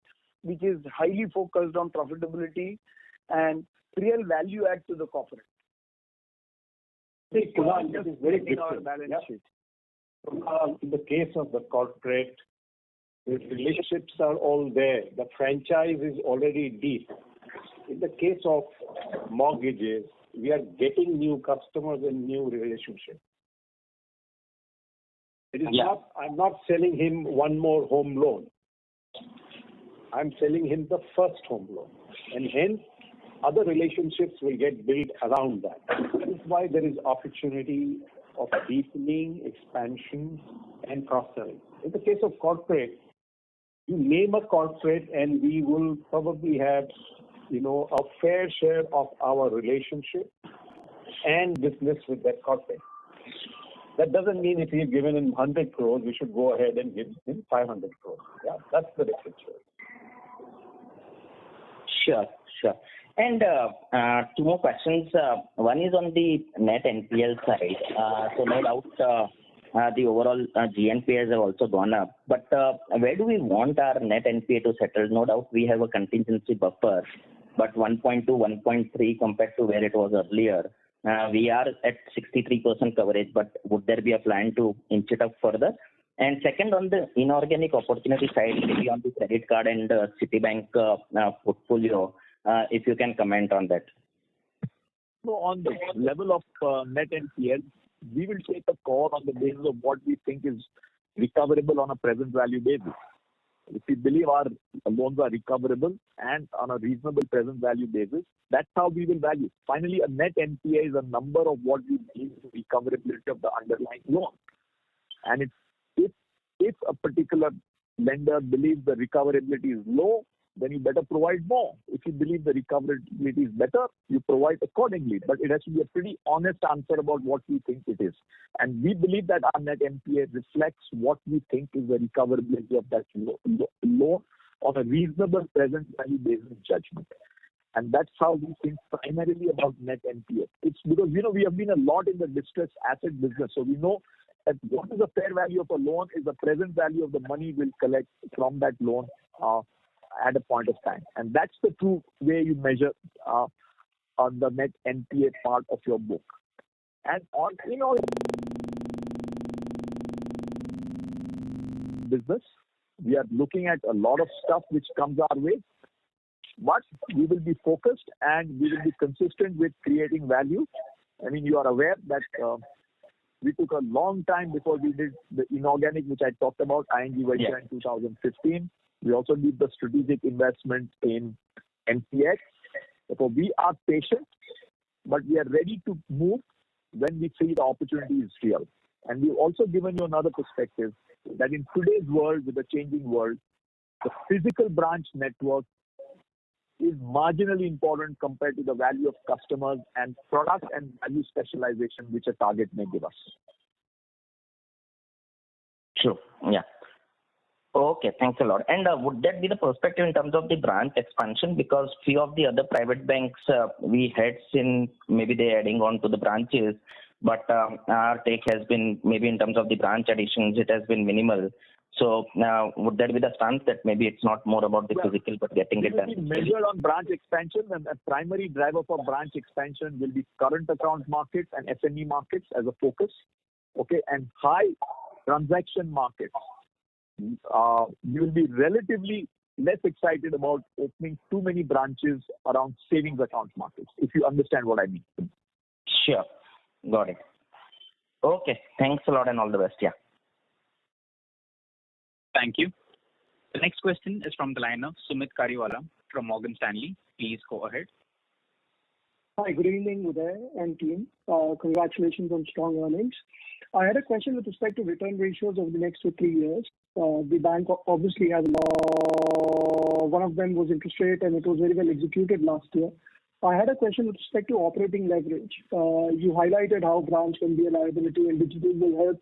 [SPEAKER 6] which is highly focused on profitability and real value add to the corporate.
[SPEAKER 2] See, Kunal, just very quickly. In our balance sheet. Kunal, in the case of the corporate, the relationships are all there. The franchise is already deep. In the case of mortgages, we are getting new customers and new relationships.
[SPEAKER 17] Yeah.
[SPEAKER 2] I'm not selling him one more home loan. I'm selling him the first home loan, and hence other relationships will get built around that. That is why there is opportunity of deepening, expansion, and cross-selling. In the case of corporate, you name a corporate and we will probably have a fair share of our relationship and business with that corporate. That doesn't mean if we've given him 100 crore, we should go ahead and give him 500 crore. Yeah, that's the difference here.
[SPEAKER 17] Sure. Two more questions. One is on the net NPL side. No doubt the overall GNPL have also gone up. Where do we want our net NPA to settle? No doubt we have a contingency buffer, but 1.2, 1.3 compared to where it was earlier. We are at 63% coverage, but would there be a plan to inch it up further? Second, on the inorganic opportunity side, maybe on the credit card and Citibank portfolio, if you can comment on that.
[SPEAKER 2] On the level of net NPLs, we will take a call on the basis of what we think is recoverable on a present value basis. If we believe our loans are recoverable and on a reasonable present value basis, that's how we will value. Finally, a net NPA is a number of what we believe is recoverability of the underlying loan. If a particular lender believes the recoverability is low, then you better provide more. If you believe the recoverability is better, you provide accordingly. It has to be a pretty honest answer about what we think it is. We believe that our net NPA reflects what we think is the recoverability of that loan on a reasonable present value basis judgment. That's how we think primarily about net NPA. It's because we have been a lot in the distressed asset business. We know that what is the fair value of a loan is the present value of the money we'll collect from that loan at a point of time. That's the true way you measure on the net NPA part of your book. On inorganic business, we are looking at a lot of stuff which comes our way. We will be focused and we will be consistent with creating value. You are aware that we took a long time before we did the inorganic, which I talked about, ING Vysya 2015. We also did the strategic investment in MCX. We are patient, but we are ready to move when we feel the opportunity is real. We've also given you another perspective that in today's world, with the changing world, the physical branch network is marginally important compared to the value of customers and product and value specialization which a target may give us.
[SPEAKER 17] Sure. Yeah. Okay, thanks a lot. Would that be the perspective in terms of the branch expansion? Because few of the other private banks we had seen, maybe they're adding on to the branches, but our take has been maybe in terms of the branch additions, it has been minimal. Would that be the stance that maybe it's not more about the physical, but getting it done digitally?
[SPEAKER 2] We will be measured on branch expansion and the primary driver for branch expansion will be current account markets and SME markets as a focus. Okay. High transaction markets. You will be relatively less excited about opening too many branches around savings account markets, if you understand what I mean.
[SPEAKER 17] Sure. Got it. Okay. Thanks a lot and all the best. Yeah.
[SPEAKER 1] Thank you. The next question is from the line of Sumeet Kariwala from Morgan Stanley. Please go ahead.
[SPEAKER 18] Hi. Good evening, Uday and team. Congratulations on strong earnings. I had a question with respect to return ratios over the next two, three years. The bank obviously has one of them was interest rate. It was very well executed last year. I had a question with respect to operating leverage. You highlighted how branch can be a liability and digital will help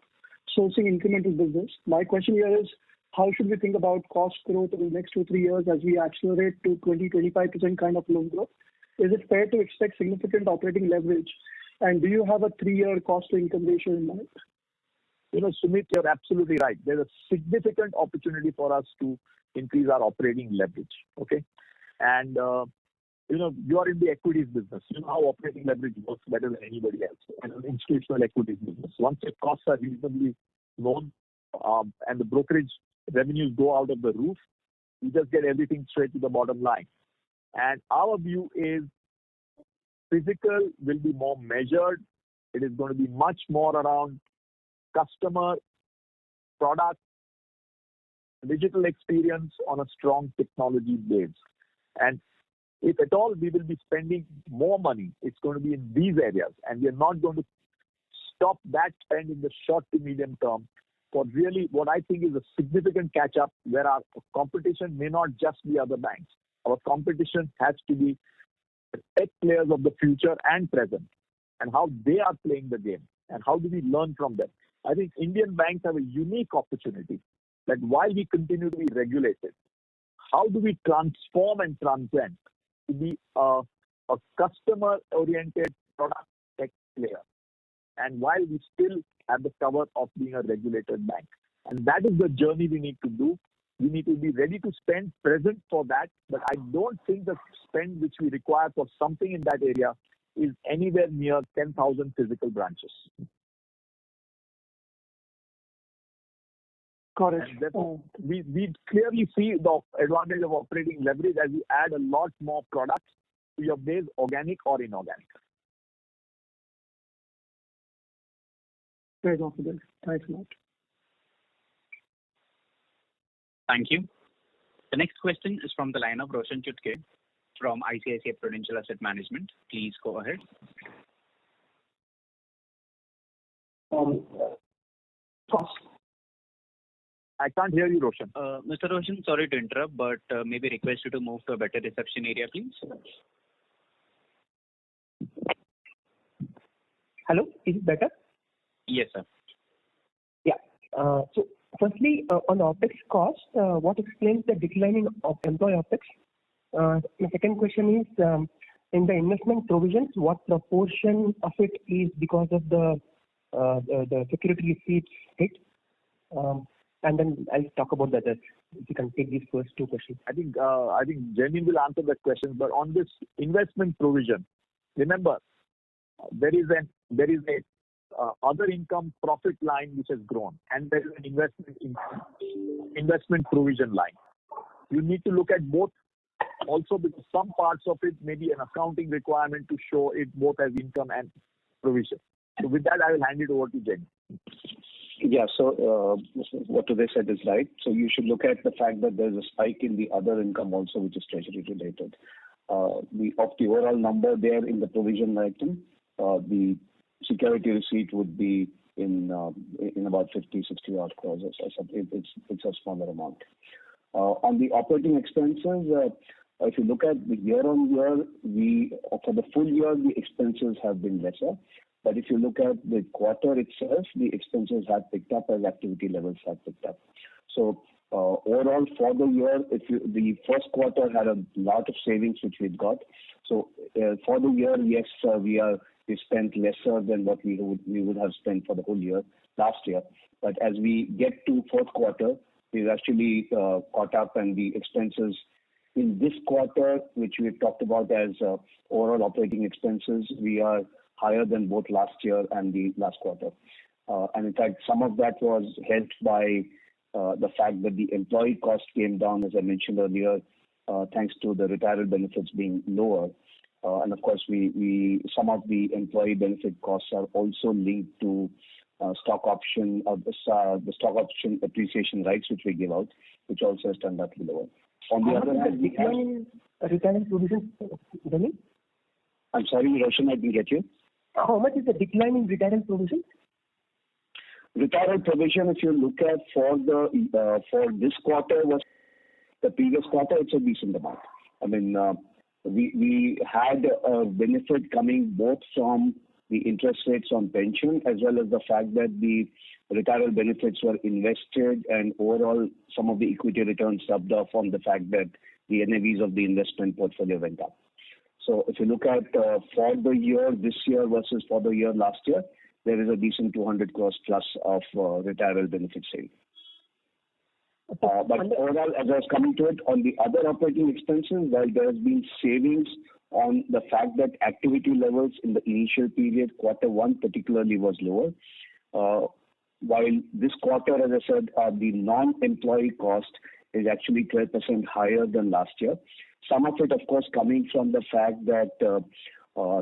[SPEAKER 18] sourcing incremental business. My question here is, how should we think about cost growth over the next two, three years as we accelerate to 20%, 25% kind of loan growth? Is it fair to expect significant operating leverage? Do you have a three-year cost income ratio in mind?
[SPEAKER 2] Sumeet, you're absolutely right. There's a significant opportunity for us to increase our operating leverage. Okay? You are in the equities business. You know how operating leverage works better than anybody else in an institutional equities business. Once your costs are reasonably known and the brokerage revenues go out of the roof, you just get everything straight to the bottom line. Our view is physical will be more measured. It is going to be much more around customer product digital experience on a strong technology base. If at all, we will be spending more money, it's going to be in these areas, and we're not going to stop that spend in the short to medium term for really what I think is a significant catch-up, where our competition may not just be other banks. Our competition has to be the tech players of the future and present, and how they are playing the game, and how do we learn from them. I think Indian banks have a unique opportunity that while we continually regulate it, how do we transform and transcend to be a customer-oriented product tech player? While we still have the cover of being a regulated bank. That is the journey we need to do. We need to be ready to spend for tech for that. I don't think the spend which we require for something in that area is anywhere near 10,000 physical branches.
[SPEAKER 18] Got it.
[SPEAKER 2] We clearly see the advantage of operating leverage as we add a lot more products to your base, organic or inorganic.
[SPEAKER 18] Very thoughtful. Thanks a lot.
[SPEAKER 1] Thank you. The next question is from the line of Roshan Chutkey from ICICI Prudential Asset Management. Please go ahead.
[SPEAKER 2] I can't hear you, Roshan.
[SPEAKER 1] Mr. Roshan, sorry to interrupt, but may we request you to move to a better reception area, please?
[SPEAKER 19] Hello, is it better?
[SPEAKER 1] Yes, sir.
[SPEAKER 19] Firstly, on OpEx cost, what explains the declining of employee OpEx? The second question is, in the investment provisions, what proportion of it is because of the security receipts hit? Then I'll talk about the others if you can take these first two questions.
[SPEAKER 2] I think Jaimin will answer that question. On this investment provision, remember, there is an other income profit line which has grown, and there is an investment provision line. You need to look at both also because some parts of it may be an accounting requirement to show it both as income and provision. With that, I will hand it over to Jaimin.
[SPEAKER 3] What Uday said is right. You should look at the fact that there's a spike in the other income also, which is treasury related. Of the overall number there in the provision line item, the security receipt would be in about 50 crore-60 crore odd or something. It's a smaller amount. On the Operating Expenditure, if you look at the year-over-year, for the full year, the expenses have been lesser. If you look at the quarter itself, the expenses have picked up as activity levels have picked up. Overall for the year, the first quarter had a lot of savings, which we've got. For the year, yes, we spent lesser than what we would have spent for the whole year last year. As we get to fourth quarter, we've actually caught up and the expenses in this quarter, which we've talked about as overall Operating Expenditure, we are higher than both last year and the last quarter. In fact, some of that was helped by the fact that the employee cost came down, as I mentioned earlier, thanks to the retirement benefits being lower. Of course, some of the employee benefit costs are also linked to the stock option appreciation rights which we give out, which also has turned out lower.
[SPEAKER 19] How much is the decline in retirement provision, Jaimin?
[SPEAKER 3] I'm sorry, Roshan, I didn't get you.
[SPEAKER 19] How much is the decline in retirement provision?
[SPEAKER 3] Retirement provision, if you look at for this quarter versus the previous quarter, it's a decent amount. We had a benefit coming both from the interest rates on pension as well as the fact that the retirement benefits were invested and overall some of the equity returns rubbed off on the fact that the NAVs of the investment portfolio went up. If you look at for the year this year versus for the year last year, there is a decent 200 crore plus of retirement benefit saving. Overall, as I was coming to it, on the other operating expenses, while there has been savings on the fact that activity levels in the initial period, quarter one particularly was lower. While this quarter, as I said, the non-employee cost is actually 12% higher than last year. Some of it, of course, coming from the fact that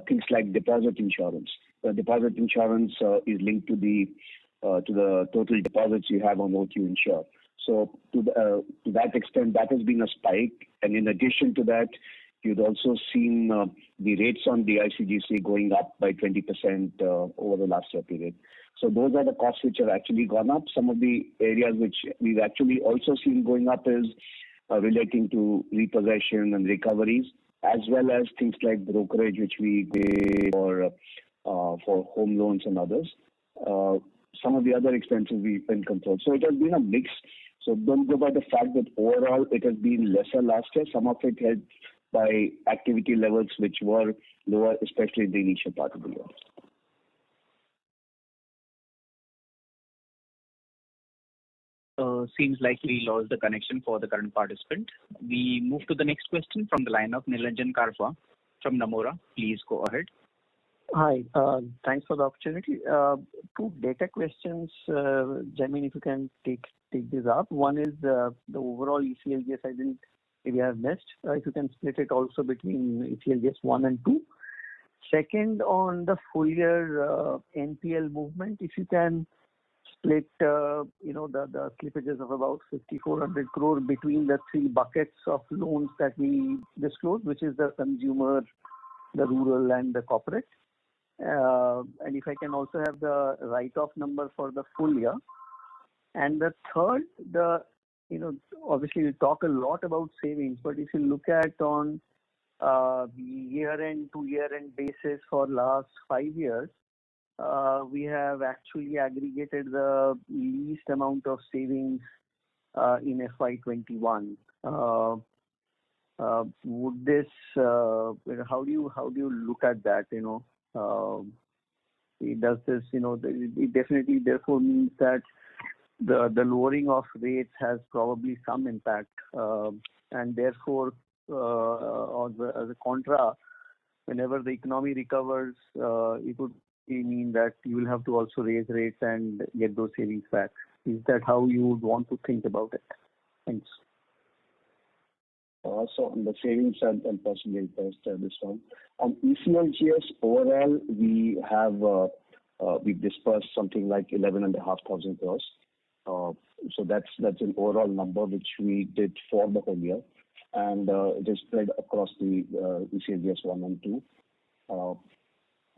[SPEAKER 3] things like deposit insurance. Deposit insurance is linked to the total deposits you have insured. To that extent, that has been a spike. In addition to that, you'd also seen the rates on DICGC going up by 20% over the last year period. Those are the costs which have actually gone up. Some of the areas which we've actually also seen going up is relating to repossession and recoveries, as well as things like brokerage, which we pay for home loans and others. Some of the other expenses we've been controlled. It has been a mix. Don't go by the fact that overall it has been lesser last year. Some [inaudible] by activity levels which were lower, especially in the initial part of the year.
[SPEAKER 1] Seems like we lost the connection for the current participant. We move to the next question from the line of Nilanjan Karfa from Nomura. Please go ahead.
[SPEAKER 20] Hi. Thanks for the opportunity. Two data questions. Jaimin, if you can take these up. One is the overall ECLGS, I think maybe I've missed. If you can split it also between ECLGS one and two. Second on the full year NPL movement, if you can split the slippages of about 5,400 crore between the three buckets of loans that we disclosed, which is the consumer, the rural, and the corporate. If I can also have the write-off number for the full year. The third, obviously you talk a lot about savings, but if you look at on year-end to year-end basis for last five years, we have actually aggregated the least amount of savings in FY 2021. How do you look at that? It definitely therefore means that the lowering of rates has probably some impact, and therefore, as a contra, whenever the economy recovers, it would mean that you will have to also raise rates and get those savings back. Is that how you would want to think about it? Thanks.
[SPEAKER 3] On the savings side, I'll possibly address this one. ECLGS overall, we've disbursed something like 11,500 crore. That's an overall number which we did for the full year, and it is spread across the ECLGS 1 and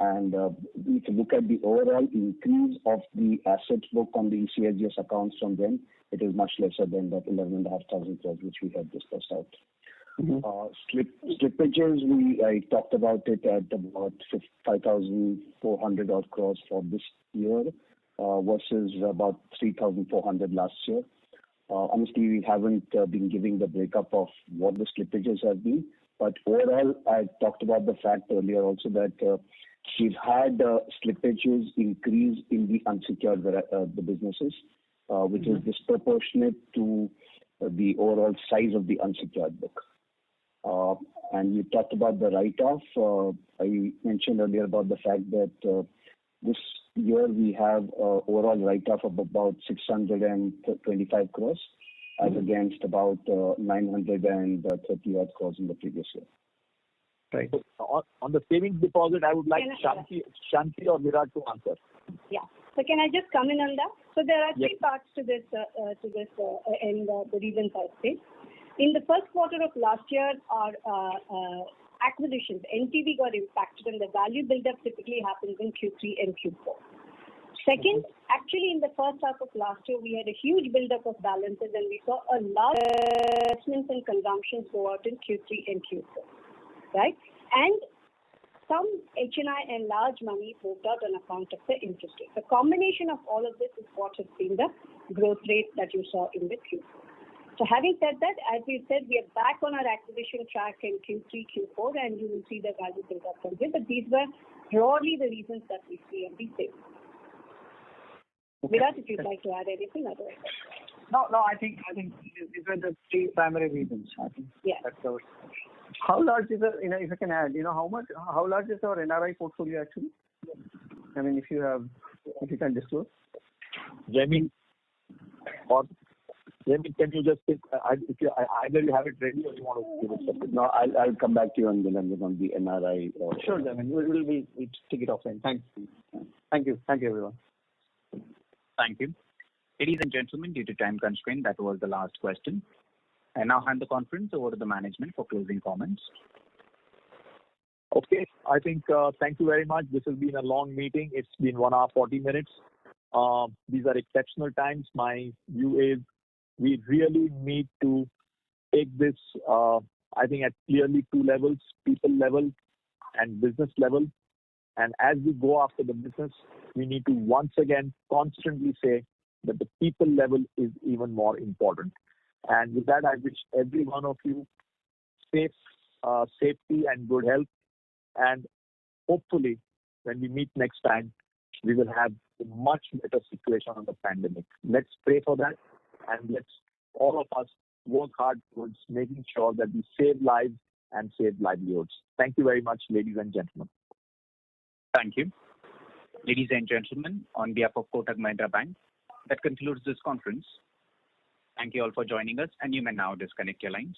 [SPEAKER 3] 2. If you look at the overall increase of the assets book on the ECLGS accounts from then, it is much lesser than that 11,500 crore which we have disbursed out. Slippages, I talked about it at about 5,400 odd crore for this year versus about 3,400 crore last year. Honestly, we haven't been giving the breakup of what the slippages have been. Overall, I talked about the fact earlier also that we've had slippages increase in the unsecured, the businesses, which is disproportionate to the overall size of the unsecured book. You talked about the write-off. I mentioned earlier about the fact that this year we have a overall write-off of about 625 crore as against about 930 odd crore in the previous year.
[SPEAKER 20] Right.
[SPEAKER 3] On the savings deposit, I would like Shanti or Virat Diwanji to answer.
[SPEAKER 4] Yeah. Can I just come in on that?
[SPEAKER 3] Yes.
[SPEAKER 4] There are three parts to this and the reasons I would say. In the first quarter of last year, our acquisitions, NTB got impacted and the value buildup typically happens in Q3 and Q4. Actually in the first half of last year, we had a huge buildup of balances and we saw a large investments and consumption flow out in Q3 and Q4. Right? Some HNI and large money moved out on account of the interest rate. The combination of all of this is what has been the growth rate that you saw in the Q4. Having said that, as we said, we are back on our acquisition track in Q3, Q4, and you will see the value build up from this. These were broadly the reasons that we see and we say. Virat, if you'd like to add anything, otherwise that's fine.
[SPEAKER 15] I think these are the three primary reasons.
[SPEAKER 4] Yes.
[SPEAKER 20] That's all. How large is our, if I can add, how large is our NRI portfolio actually? I mean, if you can disclose.
[SPEAKER 2] Jaimin, can you just take Either you have it ready or you want to give it separately?
[SPEAKER 3] No, I'll come back to you on the NRI portfolio.
[SPEAKER 20] Sure, Jaimin. We'll just take it offline. Thanks.
[SPEAKER 3] Thank you.
[SPEAKER 20] Thank you, everyone.
[SPEAKER 1] Thank you. Ladies and gentlemen, due to time constraint, that was the last question. I now hand the conference over to the management for closing comments.
[SPEAKER 2] I think, thank you very much. This has been a long meeting. It's been one hour, 40 minutes. These are exceptional times. My view is we really need to take this, I think at clearly two levels, people level and business level. As we go after the business, we need to once again constantly say that the people level is even more important. With that, I wish every one of you safety and good health. Hopefully when we meet next time, we will have a much better situation on the pandemic. Let's pray for that, and let's all of us work hard towards making sure that we save lives and save livelihoods. Thank you very much, ladies and gentlemen.
[SPEAKER 1] Thank you. Ladies and gentlemen, on behalf of Kotak Mahindra Bank, that concludes this conference. Thank you all for joining us, and you may now disconnect your lines.